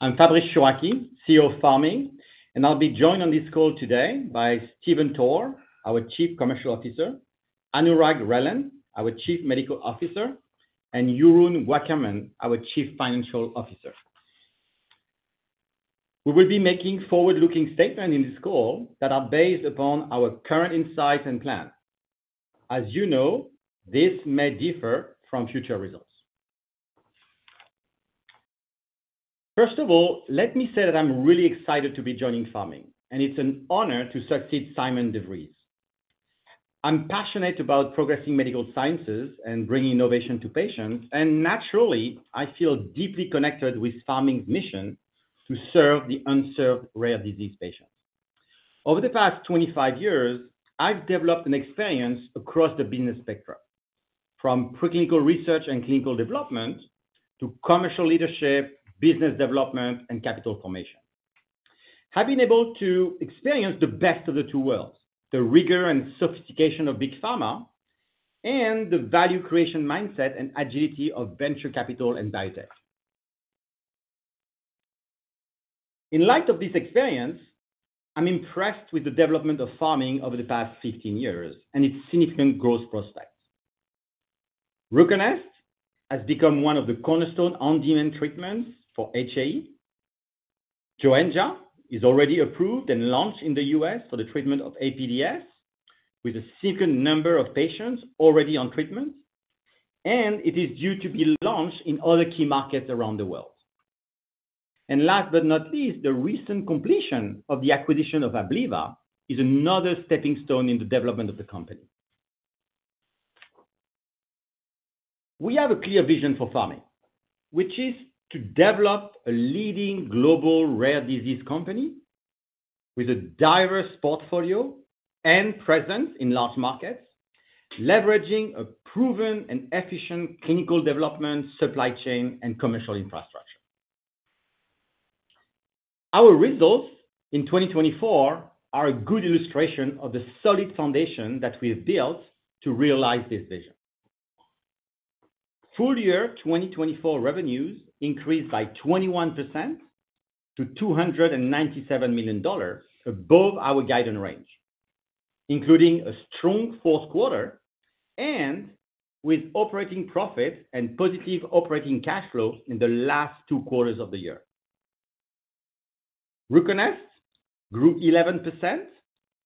I'm Fabrice Chouraqui, CEO of Pharming, and I'll be joined on this call today by Stephen Toor, our Chief Commercial Officer; Anurag Relan, our Chief Medical Officer; and Jeroen Wakkerman, our Chief Financial Officer. We will be making forward-looking statements in this call that are based upon our current insights and plans. As you know, this may differ from future results. First of all, let me say that I'm really excited to be joining Pharming, and it's an honor to succeed Sijmen de Vries. I'm passionate about progressing medical sciences and bringing innovation to patients, and naturally, I feel deeply connected with Pharming's mission to serve the unserved rare disease patients. Over the past 25 years, I've developed an experience across the business spectrum, from preclinical research and clinical development to commercial leadership, business development, and capital formation. I've been able to experience the best of the two worlds: the rigor and sophistication of big pharma and the value creation mindset and agility of venture capital and biotech. In light of this experience, I'm impressed with the development of Pharming over the past 15 years and its significant growth prospects. RUCONEST has become one of the cornerstone on-demand treatments for HAE. Joenja is already approved and launched in the U.S. for the treatment of APDS, with a significant number of patients already on treatment, and it is due to be launched in other key markets around the world. Last but not least, the recent completion of the acquisition of Abliva is another stepping stone in the development of the company. We have a clear vision for Pharming, which is to develop a leading global rare disease company with a diverse portfolio and presence in large markets, leveraging a proven and efficient clinical development, supply chain, and commercial infrastructure. Our results in 2024 are a good illustration of the solid foundation that we've built to realize this vision. Full Year 2024 revenues increased by 21% to $297 million above our guidance range, including a strong fourth quarter and with operating profits and positive operating cash flows in the last two quarters of the year. RUCONEST grew 11%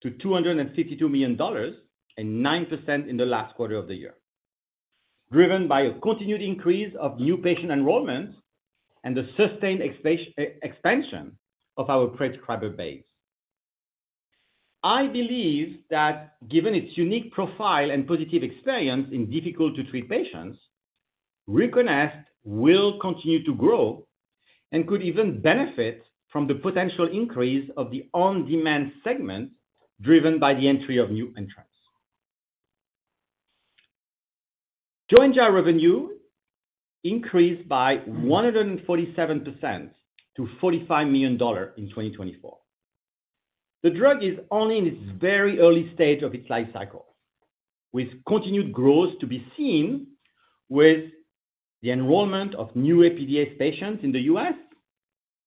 to $252 million and 9% in the last quarter of the year, driven by a continued increase of new patient enrollment and the sustained expansion of our prescriber base. I believe that given its unique profile and positive experience in difficult-to-treat patients, RUCONEST will continue to grow and could even benefit from the potential increase of the on-demand segment driven by the entry of new entrants. Joenja revenue increased by 147% to $45 million in 2024. The drug is only in its very early stage of its life cycle, with continued growth to be seen with the enrollment of new APDS patients in the U.S.,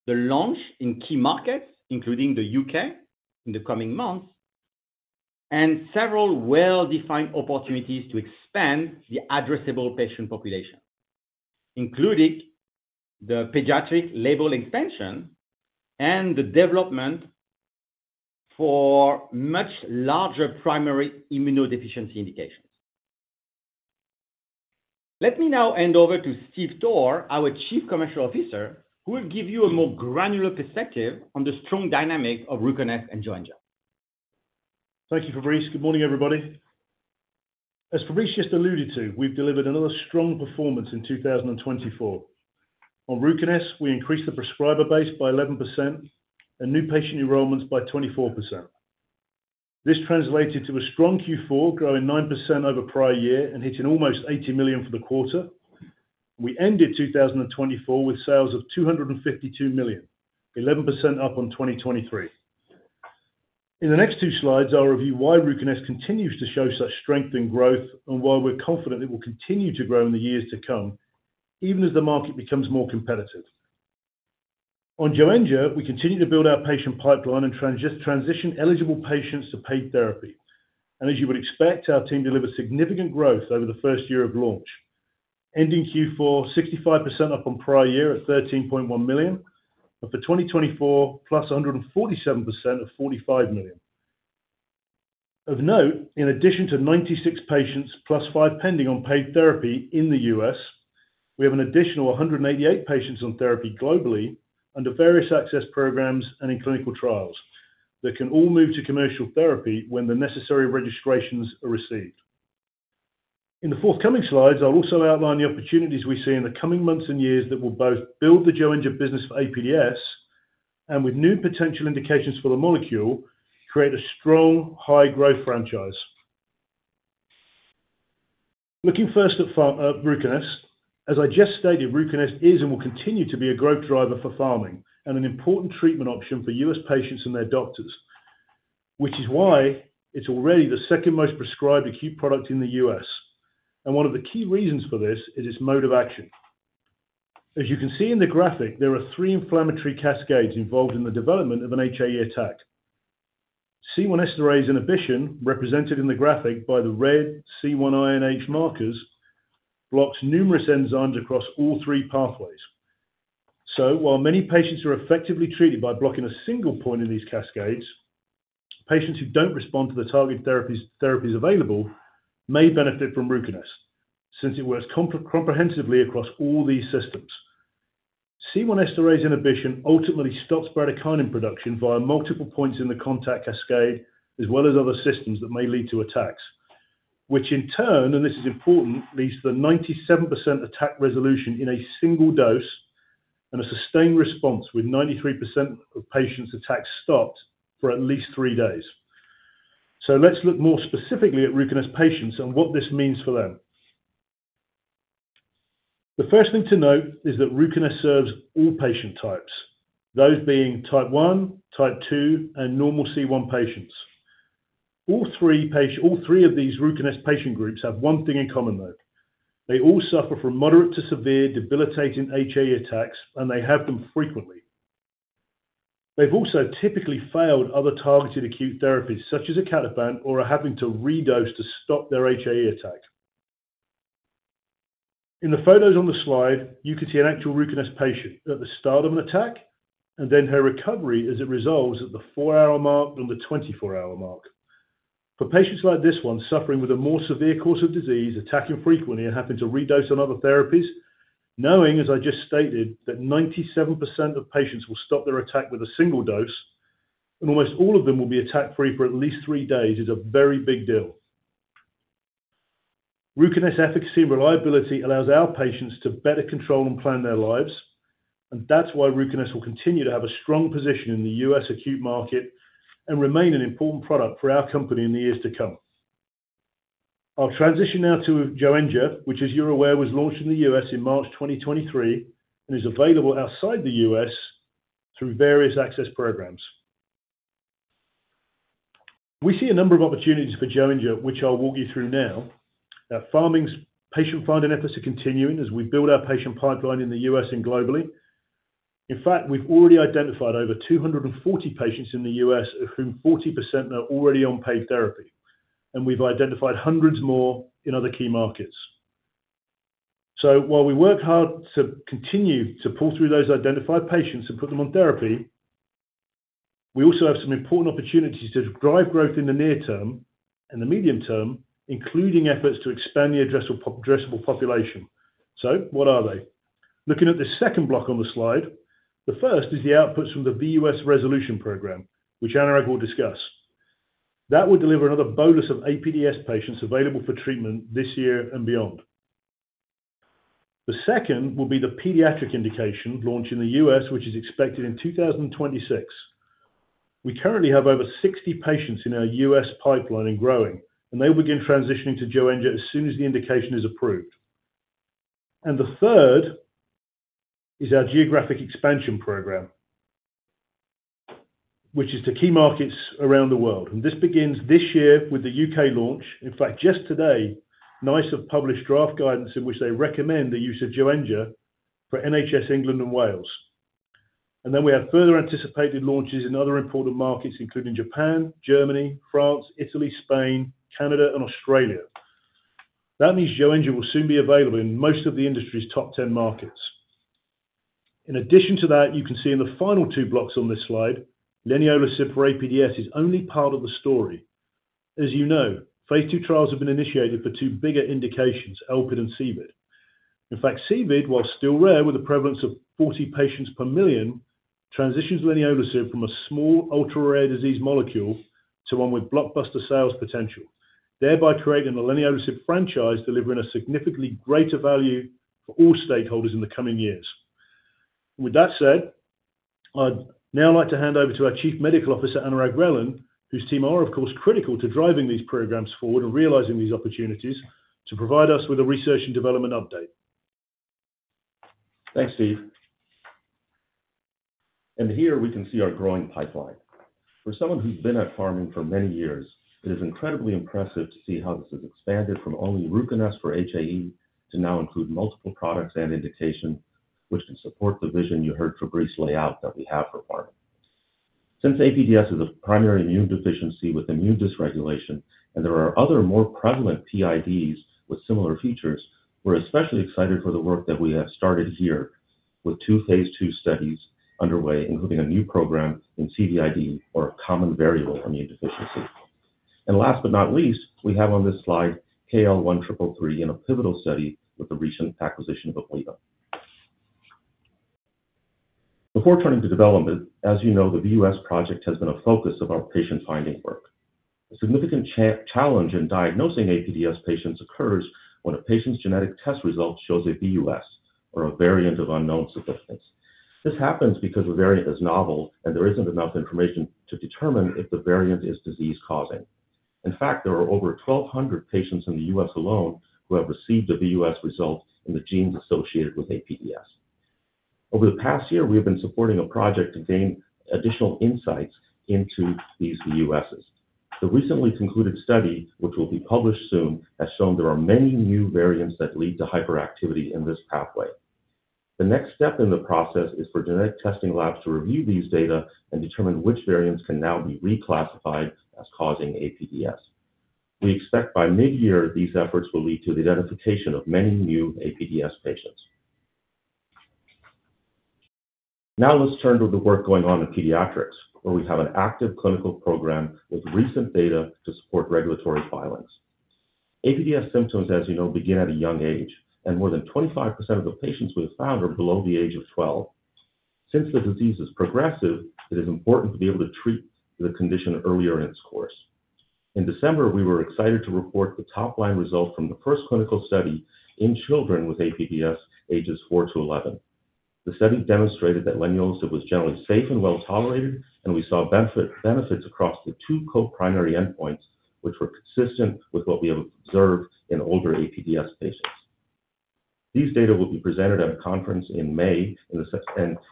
the launch in key markets, including the U.K., in the coming months, and several well-defined opportunities to expand the addressable patient population, including the pediatric label expansion and the development for much larger primary immunodeficiency indications. Let me now hand over to Stephen Toor, our Chief Commercial Officer, who will give you a more granular perspective on the strong dynamic of RUCONEST and Joenja. Thank you, Fabrice. Good morning, everybody. As Fabrice just alluded to, we've delivered another strong performance in 2024. On RUCONEST, we increased the prescriber base by 11% and new patient enrollments by 24%. This translated to a strong Q4, growing 9% over prior year and hitting almost $80 million for the quarter. We ended 2024 with sales of $252 million, 11% up on 2023. In the next two slides, I'll review why RUCONEST continues to show such strength and growth and why we're confident it will continue to grow in the years to come, even as the market becomes more competitive. On Joenja, we continue to build our patient pipeline and transition eligible patients to paid therapy. As you would expect, our team delivered significant growth over the first year of launch, ending Q4 65% up on prior year at $13.1 million, and for 2024, +147% at $45 million. Of note, in addition to 96 patients plus five pending on paid therapy in the U.S., we have an additional 188 patients on therapy globally under various access programs and in clinical trials that can all move to commercial therapy when the necessary registrations are received. In the forthcoming slides, I'll also outline the opportunities we see in the coming months and years that will both build the Joenja business for APDS and, with new potential indications for the molecule, create a strong high-growth franchise. Looking first at RUCONEST, as I just stated, RUCONEST is and will continue to be a growth driver for Pharming and an important treatment option for U.S. patients and their doctors, which is why it's already the second most prescribed acute product in the U.S.. One of the key reasons for this is its mode of action. As you can see in the graphic, there are three inflammatory cascades involved in the development of an HAE attack. C1 esterase inhibition, represented in the graphic by the red C1 INH markers, blocks numerous enzymes across all three pathways. While many patients are effectively treated by blocking a single point in these cascades, patients who don't respond to the target therapies available may benefit from RUCONEST since it works comprehensively across all these systems. C1 esterase inhibition ultimately stops bradykinin production via multiple points in the contact cascade, as well as other systems that may lead to attacks, which in turn, and this is important, leads to the 97% attack resolution in a single dose and a sustained response with 93% of patients' attacks stopped for at least three days. Let's look more specifically at RUCONEST patients and what this means for them. The first thing to note is that RUCONEST serves all patient types, those being type 1, type 2, and normal C1 patients. All three of these RUCONEST patient groups have one thing in common, though. They all suffer from moderate to severe debilitating HAE attacks, and they have them frequently. They've also typically failed other targeted acute therapies, such as icatibant or are having to redose to stop their HAE attack. In the photos on the slide, you can see an actual RUCONEST patient at the start of an attack and then her recovery as it resolves at the 4-hour mark and the 24-hour mark. For patients like this one suffering with a more severe course of disease, attacking frequently and having to redose on other therapies, knowing, as I just stated, that 97% of patients will stop their attack with a single dose and almost all of them will be attack-free for at least three days is a very big deal. RUCONEST's efficacy and reliability allows our patients to better control and plan their lives, and that's why RUCONEST will continue to have a strong position in the US acute market and remain an important product for our company in the years to come. I'll transition now to Joenja, which, as you're aware, was launched in the U.S. in March 2023 and is available outside the U.S. through various access programs. We see a number of opportunities for Joenja, which I'll walk you through now. Our Pharming's patient-funded efforts are continuing as we build our patient pipeline in the U.S. and globally. In fact, we've already identified over 240 patients in the US, of whom 40% are already on paid therapy, and we've identified hundreds more in other key markets. While we work hard to continue to pull through those identified patients and put them on therapy, we also have some important opportunities to drive growth in the near term and the medium term, including efforts to expand the addressable population. What are they? Looking at the second block on the slide, the first is the outputs from the VUS Resolution Program, which Anurag will discuss. That will deliver another bolus of APDS patients available for treatment this year and beyond. The second will be the pediatric indication launched in the U.S., which is expected in 2026. We currently have over 60 patients in our US pipeline and growing, and they'll begin transitioning to Joenja as soon as the indication is approved. The third is our geographic expansion program, which is to key markets around the world. This begins this year with the U.K. launch. In fact, just today, NICE have published draft guidance in which they recommend the use of Joenja for NHS England and Wales. We have further anticipated launches in other important markets, including Japan, Germany, France, Italy, Spain, Canada, and Australia. That means Joenja will soon be available in most of the industry's top 10 markets. In addition to that, you can see in the final two blocks on this slide, leniolisib for APDS is only part of the story. As you know, phase II trials have been initiated for two bigger indications, ALPID and CVID. In fact, CVID, while still rare with a prevalence of 40 patients per million, transitions leniolisib from a small ultra-rare disease molecule to one with blockbuster sales potential, thereby creating a leniolisib franchise delivering a significantly greater value for all stakeholders in the coming years. With that said, I'd now like to hand over to our Chief Medical Officer, Anurag Relan, whose team are, of course, critical to driving these programs forward and realizing these opportunities to provide us with a research and development update. Thanks, Steve. Here we can see our growing pipeline. For someone who's been at Pharming for many years, it is incredibly impressive to see how this has expanded from only RUCONEST for HAE to now include multiple products and indications which can support the vision you heard Fabrice lay out that we have for Pharming. Since APDS is a primary immune deficiency with immune dysregulation and there are other more prevalent PIDs with similar features, we're especially excited for the work that we have started here with two phase II studies underway, including a new program in CVID or a common variable immune deficiency. Last but not least, we have on this slide KL1333 in a pivotal study with the recent acquisition of Abliva. Before turning to development, as you know, the VUS project has been a focus of our patient-finding work. A significant challenge in diagnosing APDS patients occurs when a patient's genetic test result shows a VUS or a variant of unknown significance. This happens because the variant is novel and there isn't enough information to determine if the variant is disease-causing. In fact, there are over 1,200 patients in the U.S. alone who have received a VUS result in the genes associated with APDS. Over the past year, we have been supporting a project to gain additional insights into these VUSs. The recently concluded study, which will be published soon, has shown there are many new variants that lead to hyperactivity in this pathway. The next step in the process is for genetic testing labs to review these data and determine which variants can now be reclassified as causing APDS. We expect by mid-year, these efforts will lead to the identification of many new APDS patients. Now let's turn to the work going on in pediatrics, where we have an active clinical program with recent data to support regulatory filings. APDS symptoms, as you know, begin at a young age, and more than 25% of the patients we have found are below the age of 12. Since the disease is progressive, it is important to be able to treat the condition earlier in its course. In December, we were excited to report the top-line result from the first clinical study in children with APDS ages 4-11. The study demonstrated that leniolisib was generally safe and well tolerated, and we saw benefits across the two co-primary endpoints, which were consistent with what we have observed in older APDS patients. These data will be presented at a conference in May, and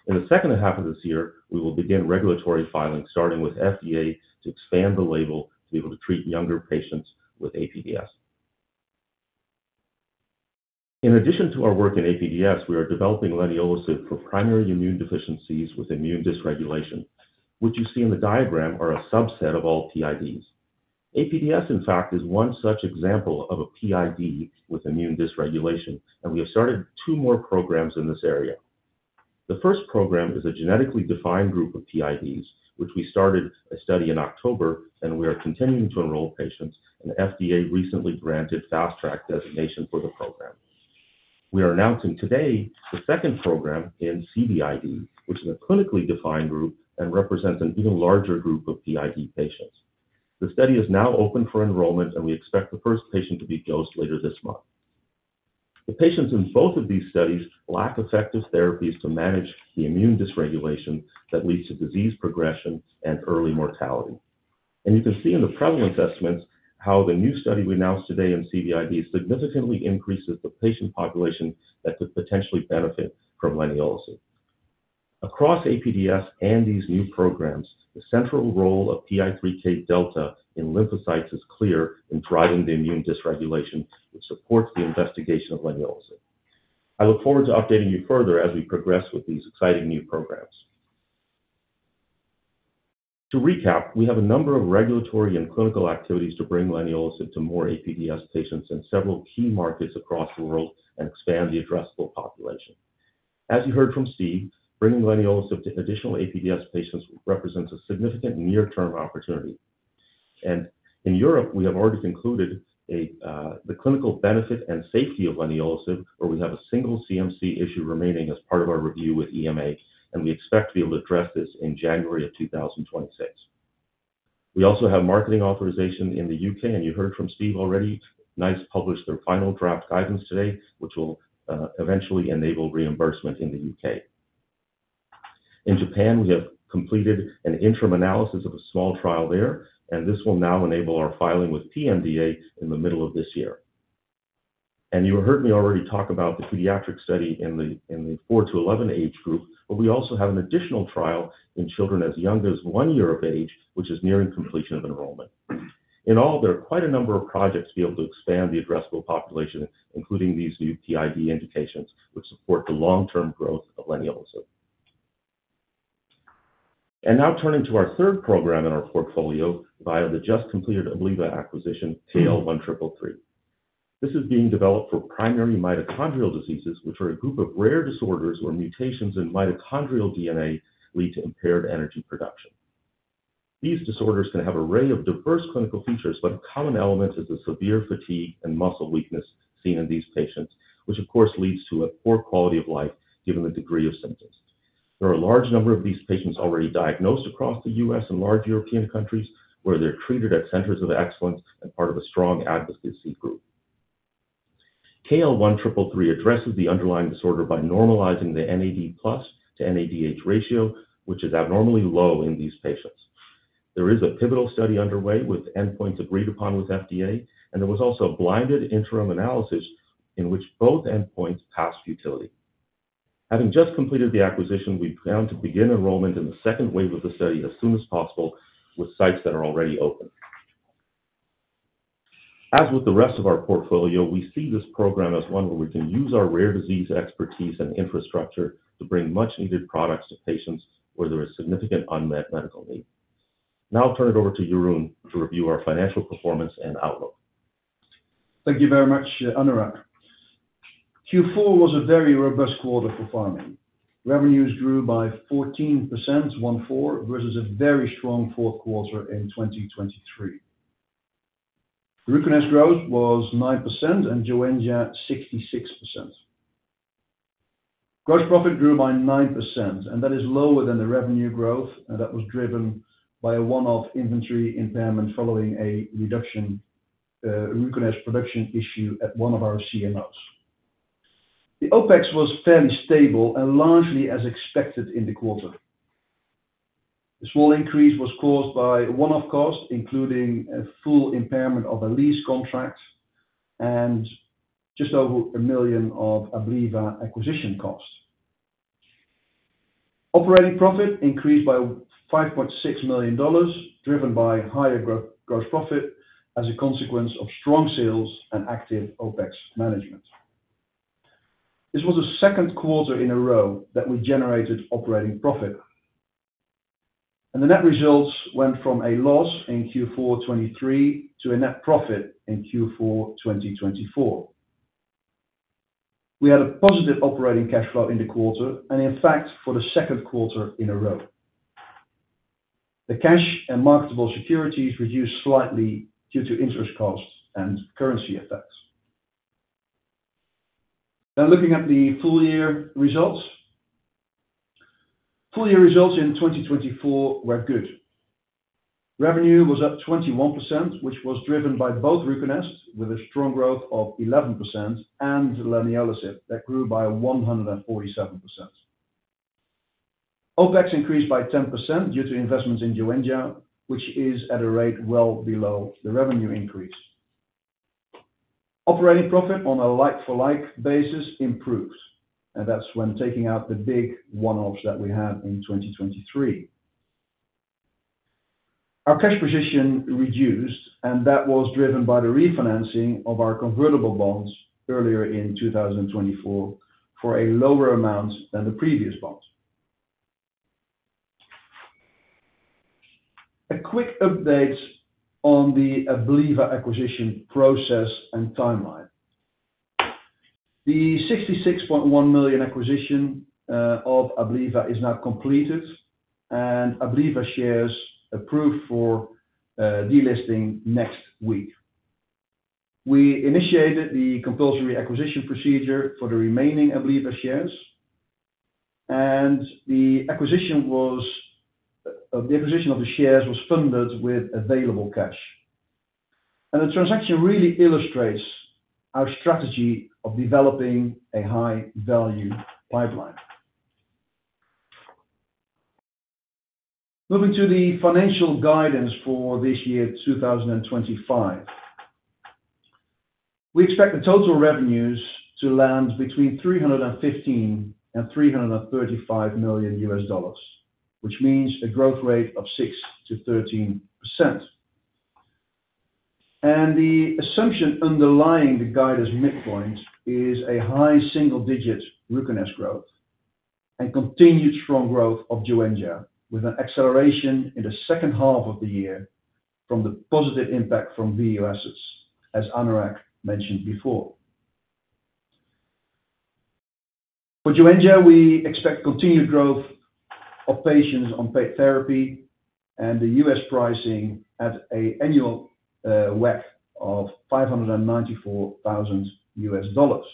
in the second half of this year, we will begin regulatory filings, starting with FDA to expand the label to be able to treat younger patients with APDS. In addition to our work in APDS, we are developing leniolisib for primary immune deficiencies with immune dysregulation, which you see in the diagram are a subset of all PIDs. APDS, in fact, is one such example of a PID with immune dysregulation, and we have started two more programs in this area. The first program is a genetically defined group of PIDs, which we started a study in October, and we are continuing to enroll patients, and FDA recently granted fast-track designation for the program. We are announcing today the second program in CVID, which is a clinically defined group and represents an even larger group of PID patients. The study is now open for enrollment, and we expect the first patient to be dosed later this month. The patients in both of these studies lack effective therapies to manage the immune dysregulation that leads to disease progression and early mortality. You can see in the prevalence estimates how the new study we announced today in CVID significantly increases the patient population that could potentially benefit from leniolisib. Across APDS and these new programs, the central role of PI3K delta in lymphocytes is clear in driving the immune dysregulation, which supports the investigation of leniolisib. I look forward to updating you further as we progress with these exciting new programs. To recap, we have a number of regulatory and clinical activities to bring leniolisib to more APDS patients in several key markets across the world and expand the addressable population. As you heard from Stephen, bringing leniolisib to additional APDS patients represents a significant near-term opportunity. In Europe, we have already concluded the clinical benefit and safety of leniolisib, where we have a single CMC issue remaining as part of our review with EMA, and we expect to be able to address this in January of 2026. We also have marketing authorization in the U.K., and you heard from Steve already. NICE published their final draft guidance today, which will eventually enable reimbursement in the U.K. In Japan, we have completed an interim analysis of a small trial there, and this will now enable our filing with PMDA in the middle of this year. You heard me already talk about the pediatric study in the four to eleven age group, but we also have an additional trial in children as young as one year of age, which is nearing completion of enrollment. In all, there are quite a number of projects to be able to expand the addressable population, including these new PID indications, which support the long-term growth of leniolisib. Now turning to our third program in our portfolio via the just completed Abliva acquisition, KL1333. This is being developed for primary mitochondrial diseases, which are a group of rare disorders where mutations in mitochondrial DNA lead to impaired energy production. These disorders can have an array of diverse clinical features, but a common element is the severe fatigue and muscle weakness seen in these patients, which, of course, leads to a poor quality of life given the degree of symptoms. There are a large number of these patients already diagnosed across the U.S. and large European countries where they're treated at centers of excellence and part of a strong advocacy group. KL1333 addresses the underlying disorder by normalizing the NAD+ to NADH ratio, which is abnormally low in these patients. There is a pivotal study underway with endpoints agreed upon with FDA, and there was also a blinded interim analysis in which both endpoints passed futility. Having just completed the acquisition, we plan to begin enrollment in the second wave of the study as soon as possible with sites that are already open. As with the rest of our portfolio, we see this program as one where we can use our rare disease expertise and infrastructure to bring much-needed products to patients where there is significant unmet medical need. Now I'll turn it over to Jeroen to review our financial performance and outlook. Thank you very much, Anurag. Q4 was a very robust quarter for Pharming. Revenues grew by 14%, quarter over quarter, versus a very strong fourth quarter in 2023. RUCONEST growth was 9% and Joenja 66%. Gross profit grew by 9%, and that is lower than the revenue growth that was driven by a one-off inventory impairment following a reduction in RUCONEST production issue at one of our CMOs. The OpEx was fairly stable and largely as expected in the quarter. The small increase was caused by one-off costs, including a full impairment of a lease contract and just over a million of Abliva acquisition costs. Operating profit increased by $5.6 million, driven by higher gross profit as a consequence of strong sales and active OpEx management. This was the second quarter in a row that we generated operating profit. The net results went from a loss in Q4 2023 to a net profit in Q4 2024. We had a positive operating cash flow in the quarter and, in fact, for the second quarter in a row. The cash and marketable securities reduced slightly due to interest costs and currency effects. Now looking at the full-year results. Full-year results in 2024 were good. Revenue was up 21%, which was driven by both RUCONEST with a strong growth of 11% and Joenja that grew by 147%. OpEx increased by 10% due to investments in Joenja, which is at a rate well below the revenue increase. Operating profit on a like-for-like basis improved, and that's when taking out the big one-offs that we had in 2023. Our cash position reduced, and that was driven by the refinancing of our convertible bonds earlier in 2024 for a lower amount than the previous bond. A quick update on the Abliva acquisition process and timeline. The $66.1 million acquisition of Abliva is now completed, and Abliva shares approved for delisting next week. We initiated the compulsory acquisition procedure for the remaining Abliva shares, and the acquisition of the shares was funded with available cash. The transaction really illustrates our strategy of developing a high-value pipeline. Moving to the financial guidance for this year, 2025. We expect the total revenues to land between $315 million-$335 million, which means a growth rate of 6%-13%. The assumption underlying the guidance midpoint is a high single-digit RUCONEST growth and continued strong growth of Joenja with an acceleration in the second half of the year from the positive impact from VUSs, as Anurag mentioned before. For Joenja, we expect continued growth of patients on paid therapy and the US pricing at an annual WEC of $594,000.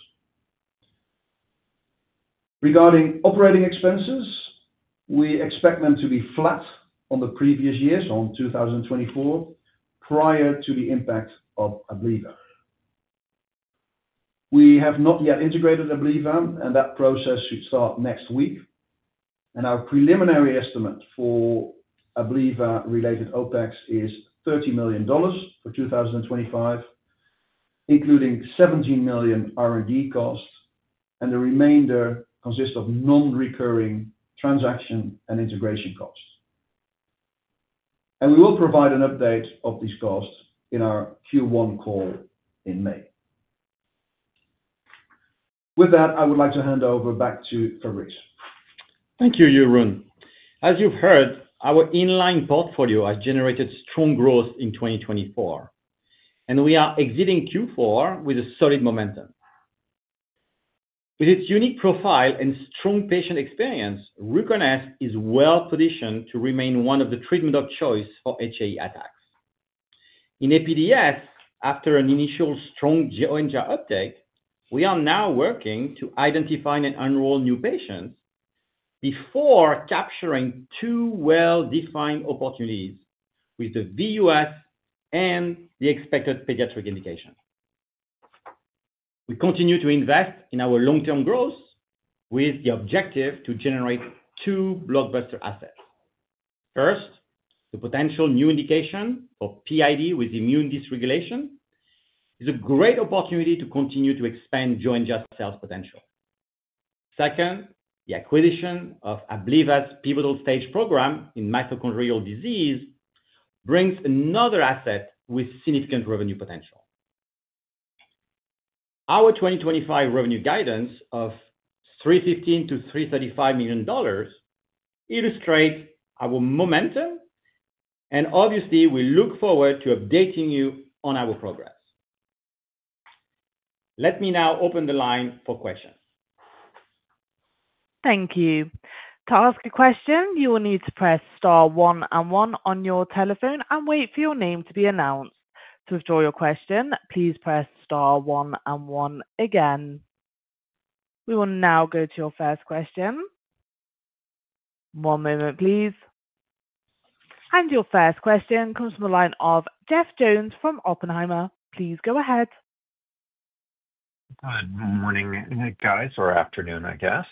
Regarding operating expenses, we expect them to be flat on the previous years, on 2024, prior to the impact of Abliva. We have not yet integrated Abliva, and that process should start next week. Our preliminary estimate for Abliva-related OpEx is $30 million for 2025, including $17 million R&D costs, and the remainder consists of non-recurring transaction and integration costs. We will provide an update of these costs in our Q1 call in May. With that, I would like to hand over back to Fabrice. Thank you, Jeroen. As you've heard, our inline portfolio has generated strong growth in 2024, and we are exiting Q4 with solid momentum. With its unique profile and strong patient experience, RUCONEST is well-positioned to remain one of the treatments of choice for HAE attacks. In APDS, after an initial strong Joenja update, we are now working to identify and enroll new patients before capturing two well-defined opportunities with the VUS and the expected pediatric indication. We continue to invest in our long-term growth with the objective to generate two blockbuster assets. First, the potential new indication for PID with immune dysregulation is a great opportunity to continue to expand Joenja's sales potential. Second, the acquisition of Abliva's pivotal stage program in mitochondrial disease brings another asset with significant revenue potential. Our 2025 revenue guidance of $315-$335 million illustrates our momentum, and obviously, we look forward to updating you on our progress. Let me now open the line for questions. Thank you. To ask a question, you will need to press star one and one on your telephone and wait for your name to be announced. To withdraw your question, please press star one and one again. We will now go to your first question. One moment, please. Your first question comes from the line of Jeff Jones from Oppenheimer. Please go ahead. Good morning, guys, or afternoon, I guess.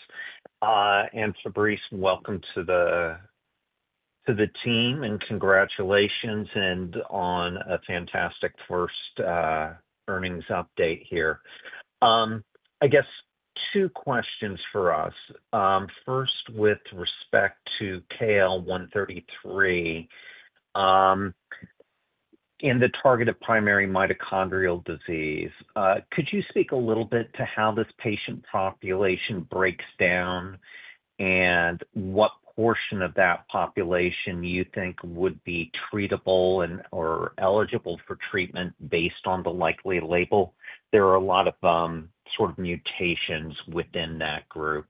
Fabrice, welcome to the team and congratulations on a fantastic first earnings update here. I guess two questions for us. First, with respect to KL1333 in the targeted primary mitochondrial disease, could you speak a little bit to how this patient population breaks down and what portion of that population you think would be treatable or eligible for treatment based on the likely label? There are a lot of sort of mutations within that group.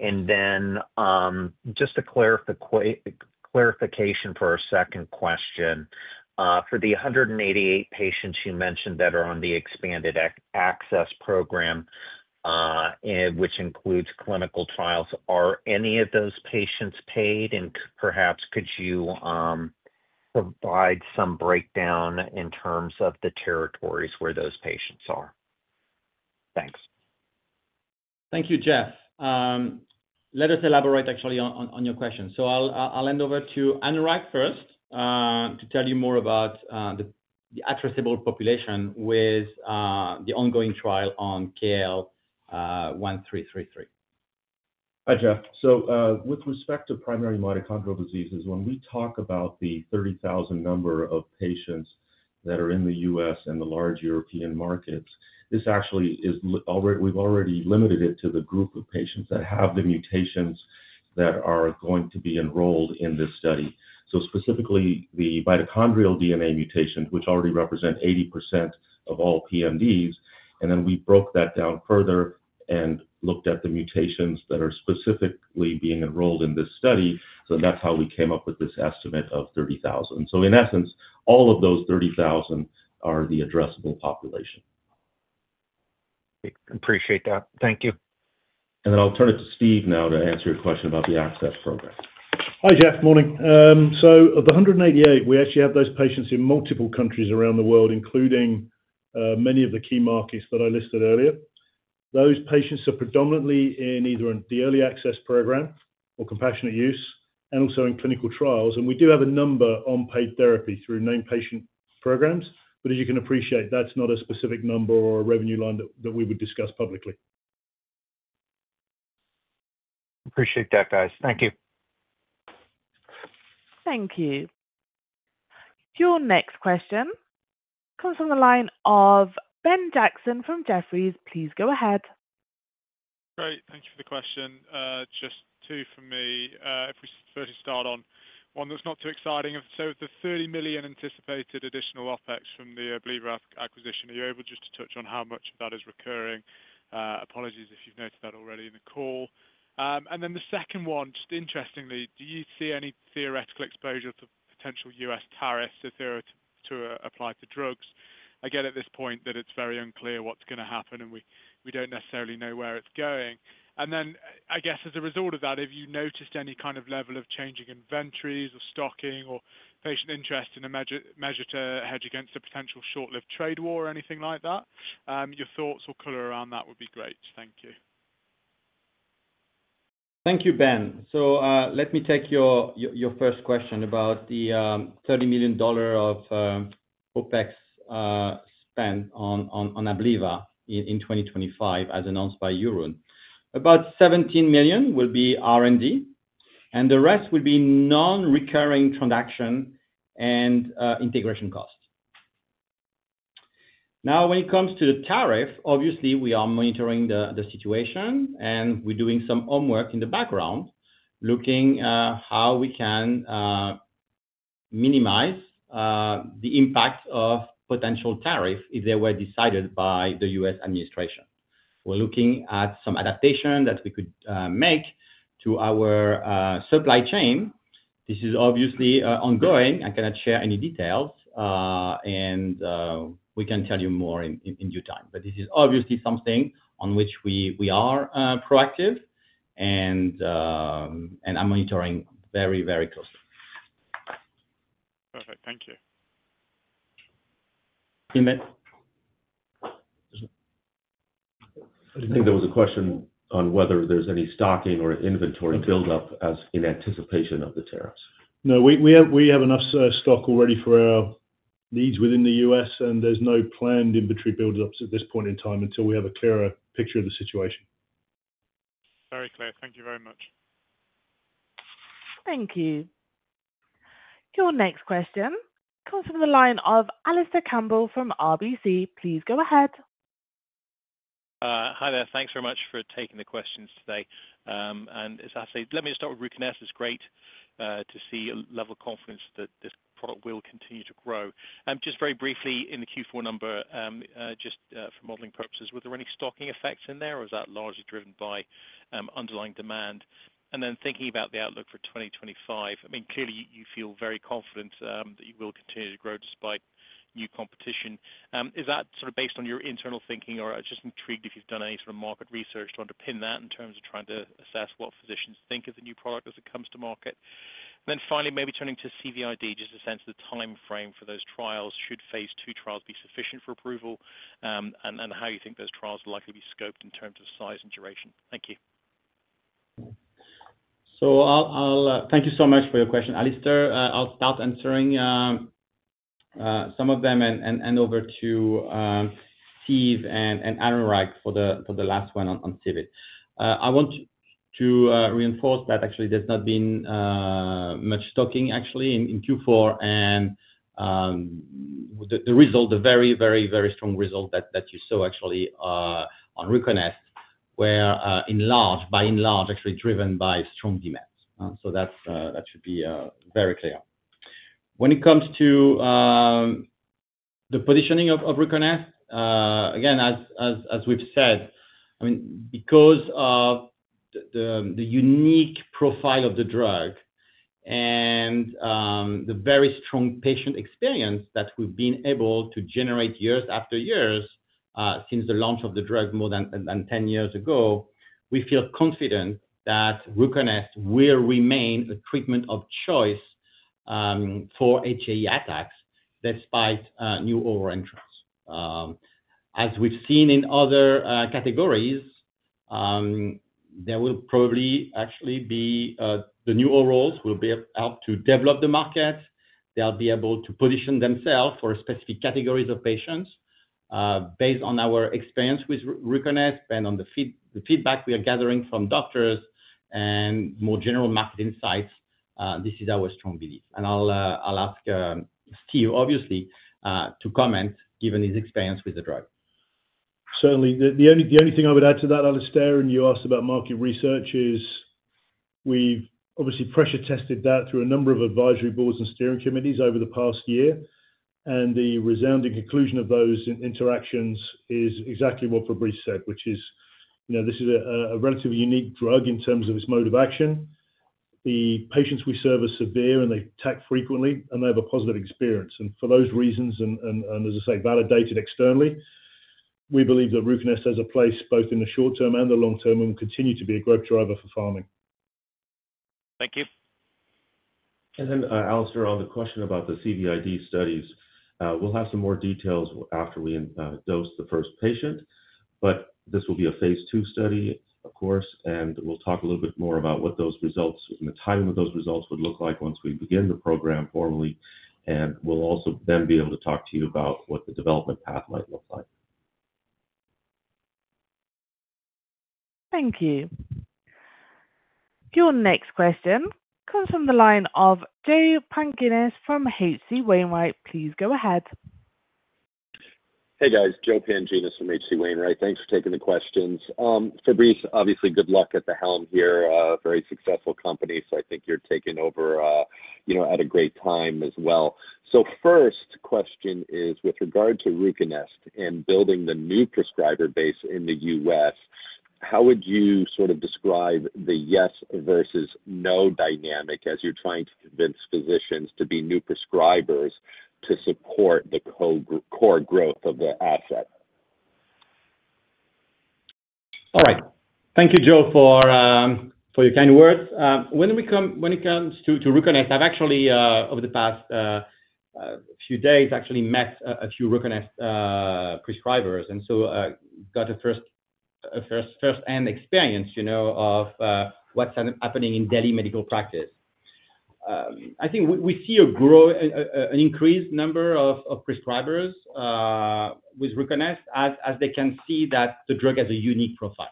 Just a clarification for our second question. For the 188 patients you mentioned that are on the expanded access program, which includes clinical trials, are any of those patients paid? Perhaps could you provide some breakdown in terms of the territories where those patients are? Thanks. Thank you, Jeff. Let us elaborate actually on your question. I'll hand over to Anurag first to tell you more about the addressable population with the ongoing trial on KL1333. Hi, Jeff. With respect to primary mitochondrial diseases, when we talk about the 30,000 number of patients that are in the U.S. and the large European markets, this actually is already we've already limited it to the group of patients that have the mutations that are going to be enrolled in this study. Specifically, the mitochondrial DNA mutations, which already represent 80% of all PMDs. We broke that down further and looked at the mutations that are specifically being enrolled in this study. That's how we came up with this estimate of 30,000. In essence, all of those 30,000 are the addressable population. Appreciate that. Thank you. I'll turn it to Steve now to answer your question about the access program. Hi, Jeff. Morning. Of the 188, we actually have those patients in multiple countries around the world, including many of the key markets that I listed earlier. Those patients are predominantly in either the early access program or compassionate use and also in clinical trials. We do have a number on paid therapy through named patient programs. As you can appreciate, that's not a specific number or a revenue line that we would discuss publicly. Appreciate that, guys. Thank you. Thank you. Your next question comes from the line of Ben Jackson from Jefferies. Please go ahead. Great. Thank you for the question. Just two for me. If we first start on one that's not too exciting. The $30 million anticipated additional OpEx from the Abliva acquisition, are you able just to touch on how much of that is recurring? Apologies if you've noted that already in the call. The second one, just interestingly, do you see any theoretical exposure to potential US tariffs if they were to apply to drugs? At this point, that it's very unclear what's going to happen and we don't necessarily know where it's going. I guess as a result of that, have you noticed any kind of level of changing inventories or stocking or patient interest in a measure to hedge against a potential short-lived trade war or anything like that? Your thoughts or color around that would be great. Thank you. Thank you, Ben. Let me take your first question about the $30 million of OpEx spent on Abliva in 2025 as announced by Jeroen. About $17 million will be R&D, and the rest will be non-recurring transaction and integration costs. Now, when it comes to the tariff, obviously, we are monitoring the situation and we're doing some homework in the background looking at how we can minimize the impact of potential tariff if they were decided by the U.S. administration. We're looking at some adaptation that we could make to our supply chain. This is obviously ongoing. I cannot share any details, and we can tell you more in due time. This is obviously something on which we are proactive, and I'm monitoring very, very closely. Perfect. Thank you. I think there was a question on whether there's any stocking or inventory buildup as in anticipation of the tariffs. No, we have enough stock already for our needs within the U.S., and there's no planned inventory buildups at this point in time until we have a clearer picture of the situation. Very clear. Thank you very much. Thank you. Your next question comes from the line of Alistair Campbell from RBC. Please go ahead. Hi there. Thanks very much for taking the questions today. As I say, let me start with RUCONEST. It's great to see a level of confidence that this product will continue to grow. Just very briefly in the Q4 number, just for modeling purposes, were there any stocking effects in there, or is that largely driven by underlying demand? Thinking about the outlook for 2025, I mean, clearly, you feel very confident that you will continue to grow despite new competition. Is that sort of based on your internal thinking, or I'm just intrigued if you've done any sort of market research to underpin that in terms of trying to assess what physicians think of the new product as it comes to market? Finally, maybe turning to CVID, just a sense of the timeframe for those trials. Should phase II trials be sufficient for approval, and how do you think those trials will likely be scoped in terms of size and duration? Thank you. Thank you so much for your question, Alistair. I'll start answering some of them and hand over to Steve and Anurag for the last one on CVID. I want to reinforce that actually there's not been much stocking actually in Q4, and the result, the very, very, very strong result that you saw actually on RUCONEST were by and large actually driven by strong demand. That should be very clear. When it comes to the positioning of RUCONEST, again, as we've said, I mean, because of the unique profile of the drug and the very strong patient experience that we've been able to generate year after year since the launch of the drug more than 10 years ago, we feel confident that RUCONEST will remain a treatment of choice for HAE attacks despite new oral entrants. As we've seen in other categories, there will probably actually be the new orals will be helped to develop the market. They'll be able to position themselves for specific categories of patients. Based on our experience with RUCONEST and on the feedback we are gathering from doctors and more general market insights, this is our strong belief. I'll ask Steve, obviously, to comment given his experience with the drug. Certainly. The only thing I would add to that, Alistair, and you asked about market research is we've obviously pressure tested that through a number of advisory boards and steering committees over the past year. The resounding conclusion of those interactions is exactly what Fabrice said, which is this is a relatively unique drug in terms of its mode of action. The patients we serve are severe, and they attack frequently, and they have a positive experience. For those reasons, and as I say, validated externally, we believe that RUCONEST has a place both in the short term and the long term and will continue to be a growth driver for Pharming. Thank you. Alistair, on the question about the CVID studies, we'll have some more details after we dose the first patient. This will be a phase II study, of course, and we'll talk a little bit more about what those results and the timing of those results would look like once we begin the program formally. We'll also then be able to talk to you about what the development path might look like. Thank you. Your next question comes from the line of Joe Pantginis from H.C. Wainwright. Please go ahead. Hey, guys. Joe Pantginis from H.C. Wainwright. Thanks for taking the questions. Fabrice, obviously, good luck at the helm here. Very successful company. I think you're taking over at a great time as well. First question is with regard to RUCONEST and building the new prescriber base in the U.S., how would you sort of describe the yes versus no dynamic as you're trying to convince physicians to be new prescribers to support the core growth of the asset? All right. Thank you, Joe, for your kind words. When it comes to RUCONEST, I've actually, over the past few days, actually met a few RUCONEST prescribers and so got a firsthand experience of what's happening in daily medical practice. I think we see an increased number of prescribers with RUCONEST as they can see that the drug has a unique profile.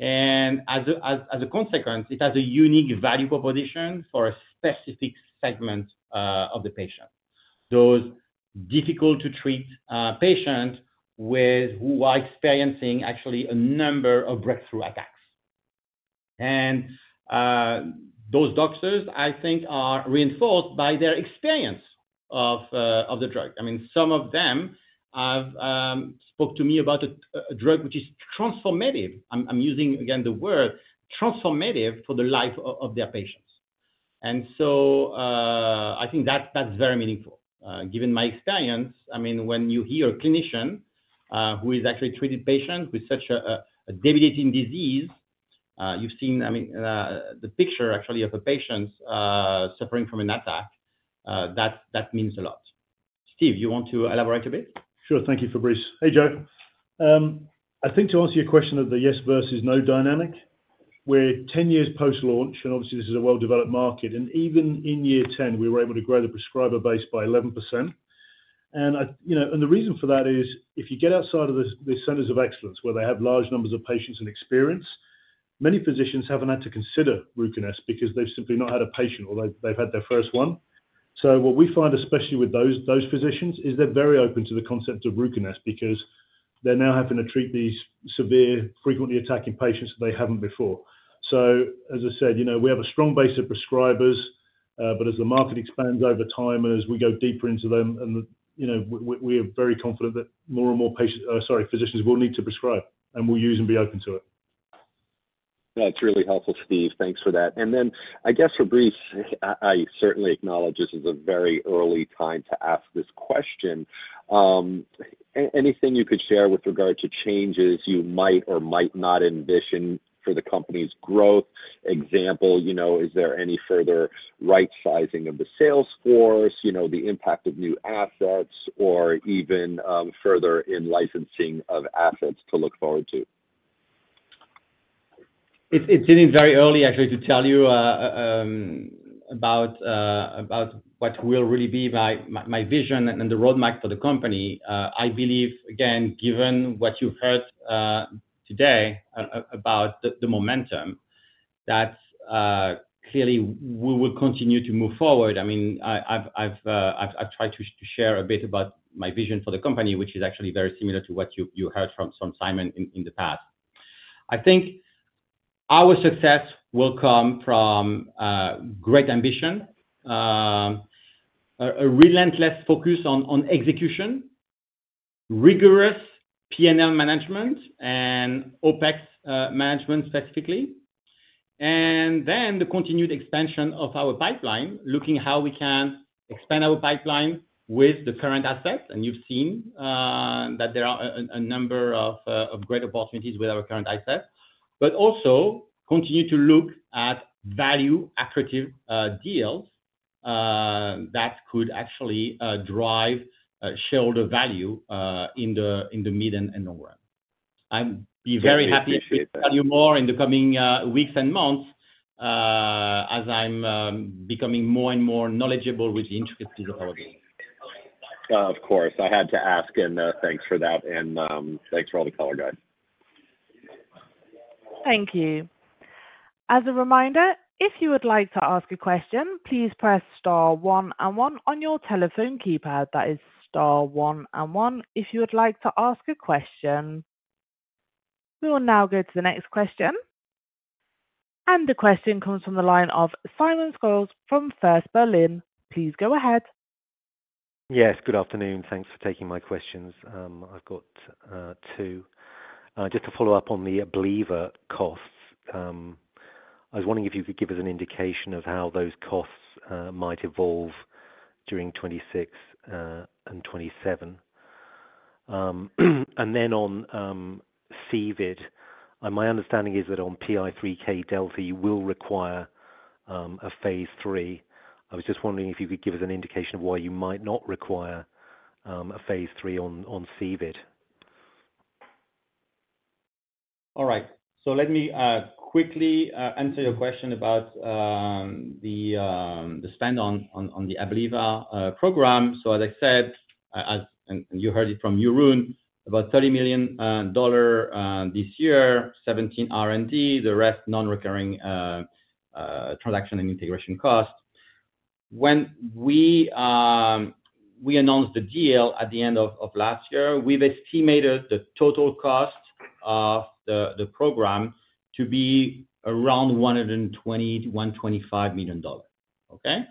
As a consequence, it has a unique value proposition for a specific segment of the patient. Those difficult-to-treat patients who are experiencing actually a number of breakthrough attacks. Those doctors, I think, are reinforced by their experience of the drug. I mean, some of them have spoke to me about a drug which is transformative. I'm using, again, the word transformative for the life of their patients. And so I think that's very meaningful. Given my experience, I mean, when you hear a clinician who is actually treating patients with such a debilitating disease, you've seen, I mean, the picture actually of a patient suffering from an attack, that means a lot. Steve, you want to elaborate a bit? Sure. Thank you, Fabrice. Hey, Joe. I think to answer your question of the yes versus no dynamic, we're 10 years post-launch, and obviously, this is a well-developed market. Even in year 10, we were able to grow the prescriber base by 11%. The reason for that is if you get outside of the centers of excellence where they have large numbers of patients and experience, many physicians have not had to consider RUCONEST because they have simply not had a patient or they have had their first one. What we find, especially with those physicians, is they are very open to the concept of RUCONEST because they are now having to treat these severe, frequently attacking patients they have not before. As I said, we have a strong base of prescribers, but as the market expands over time and as we go deeper into them, we are very confident that more and more patients—sorry, physicians—will need to prescribe, and will use and be open to it. That is really helpful, Steve. Thanks for that. I guess, Fabrice, I certainly acknowledge this is a very early time to ask this question. Anything you could share with regard to changes you might or might not envision for the company's growth? Example, is there any further right-sizing of the sales force, the impact of new assets, or even further in licensing of assets to look forward to? It's very early actually to tell you about what will really be my vision and the roadmap for the company. I believe, again, given what you've heard today about the momentum, that clearly we will continue to move forward. I mean, I've tried to share a bit about my vision for the company, which is actually very similar to what you heard from Sijmen in the past. I think our success will come from great ambition, a relentless focus on execution, rigorous P&L management, and OpEx management specifically, and then the continued expansion of our pipeline, looking at how we can expand our pipeline with the current assets. You have seen that there are a number of great opportunities with our current assets, but also continue to look at value-attractive deals that could actually drive shareholder value in the mid and long run. I would be very happy to tell you more in the coming weeks and months as I am becoming more and more knowledgeable with the intricacies of our business. Of course. I had to ask, and thanks for that, and thanks for all the color, guys. Thank you. As a reminder, if you would like to ask a question, please press star one and one on your telephone keypad. That is star one and one. If you would like to ask a question, we will now go to the next question. The question comes from the line of Simon Swirls from First Berlin. Please go ahead. Yes. Good afternoon. Thanks for taking my questions. I've got two. Just to follow up on the Abliva costs, I was wondering if you could give us an indication of how those costs might evolve during 2026 and 2027. On CVID, my understanding is that on PI3K delta, you will require a phase III. I was just wondering if you could give us an indication of why you might not require a phase III on CVID. All right. Let me quickly answer your question about the spend on the Abliva Program. As I said, and you heard it from Jeroen, about $30 million this year, $17 million R&D, the rest non-recurring transaction and integration cost. When we announced the deal at the end of last year, we estimated the total cost of the program to be around $120 million-$125 million. Okay?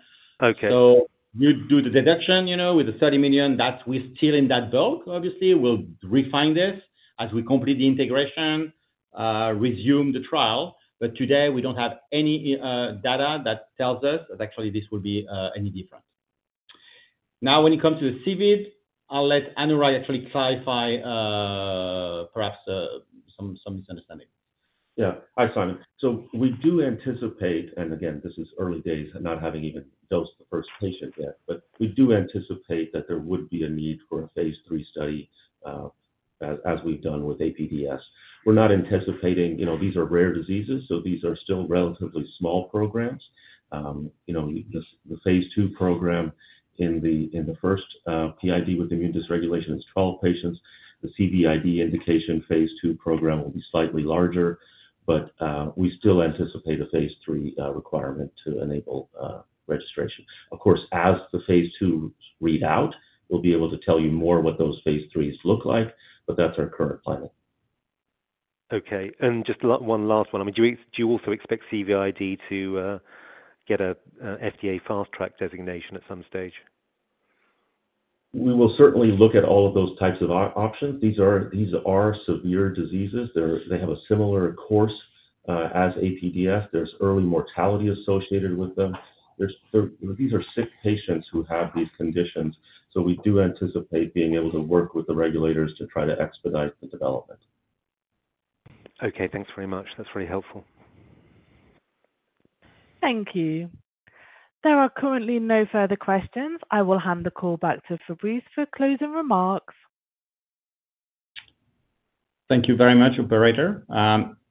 You do the deduction with the $30 million, we are still in that bulk. Obviously, we will refine this as we complete the integration, resume the trial. Today, we do not have any data that tells us that actually this will be any different. Now, when it comes to the CVID, I will let Anurag actually clarify perhaps some misunderstanding. Yeah. Hi, Simon. We do anticipate—and again, this is early days and not having even dosed the first patient yet—we do anticipate that there would be a need for a phase III study as we have done with APDS. We are not anticipating these are rare diseases, so these are still relatively small programs. The phase II program in the first PID with immune dysregulation is 12 patients. The CVID indication phase II program will be slightly larger, but we still anticipate a phase III requirement to enable registration. Of course, as the phase II read out, we'll be able to tell you more what those phase IIIs look like, but that's our current planning. Okay. And just one last one. I mean, do you also expect CVID to get an FDA fast-track designation at some stage? We will certainly look at all of those types of options. These are severe diseases. They have a similar course as APDS. There's early mortality associated with them. These are sick patients who have these conditions. We do anticipate being able to work with the regulators to try to expedite the development. Okay. Thanks very much. That's really helpful. Thank you. There are currently no further questions. I will hand the call back to Fabrice for closing remarks. Thank you very much, Operator.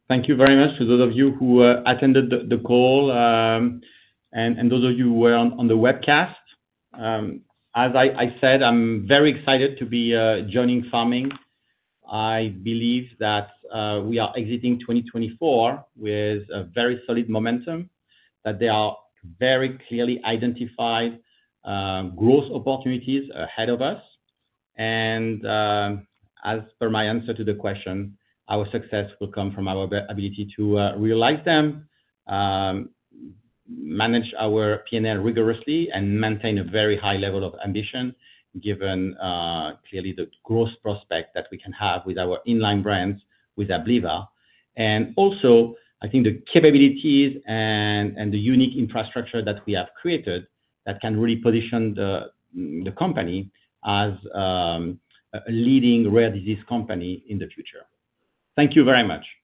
Thank you very much to those of you who attended the call and those of you who were on the webcast. As I said, I'm very excited to be joining Pharming. I believe that we are exiting 2024 with a very solid momentum, that there are very clearly identified growth opportunities ahead of us. As per my answer to the question, our success will come from our ability to realize them, manage our P&L rigorously, and maintain a very high level of ambition given clearly the growth prospect that we can have with our inline brands with Abliva. I think the capabilities and the unique infrastructure that we have created can really position the company as a leading rare disease company in the future. Thank you very much.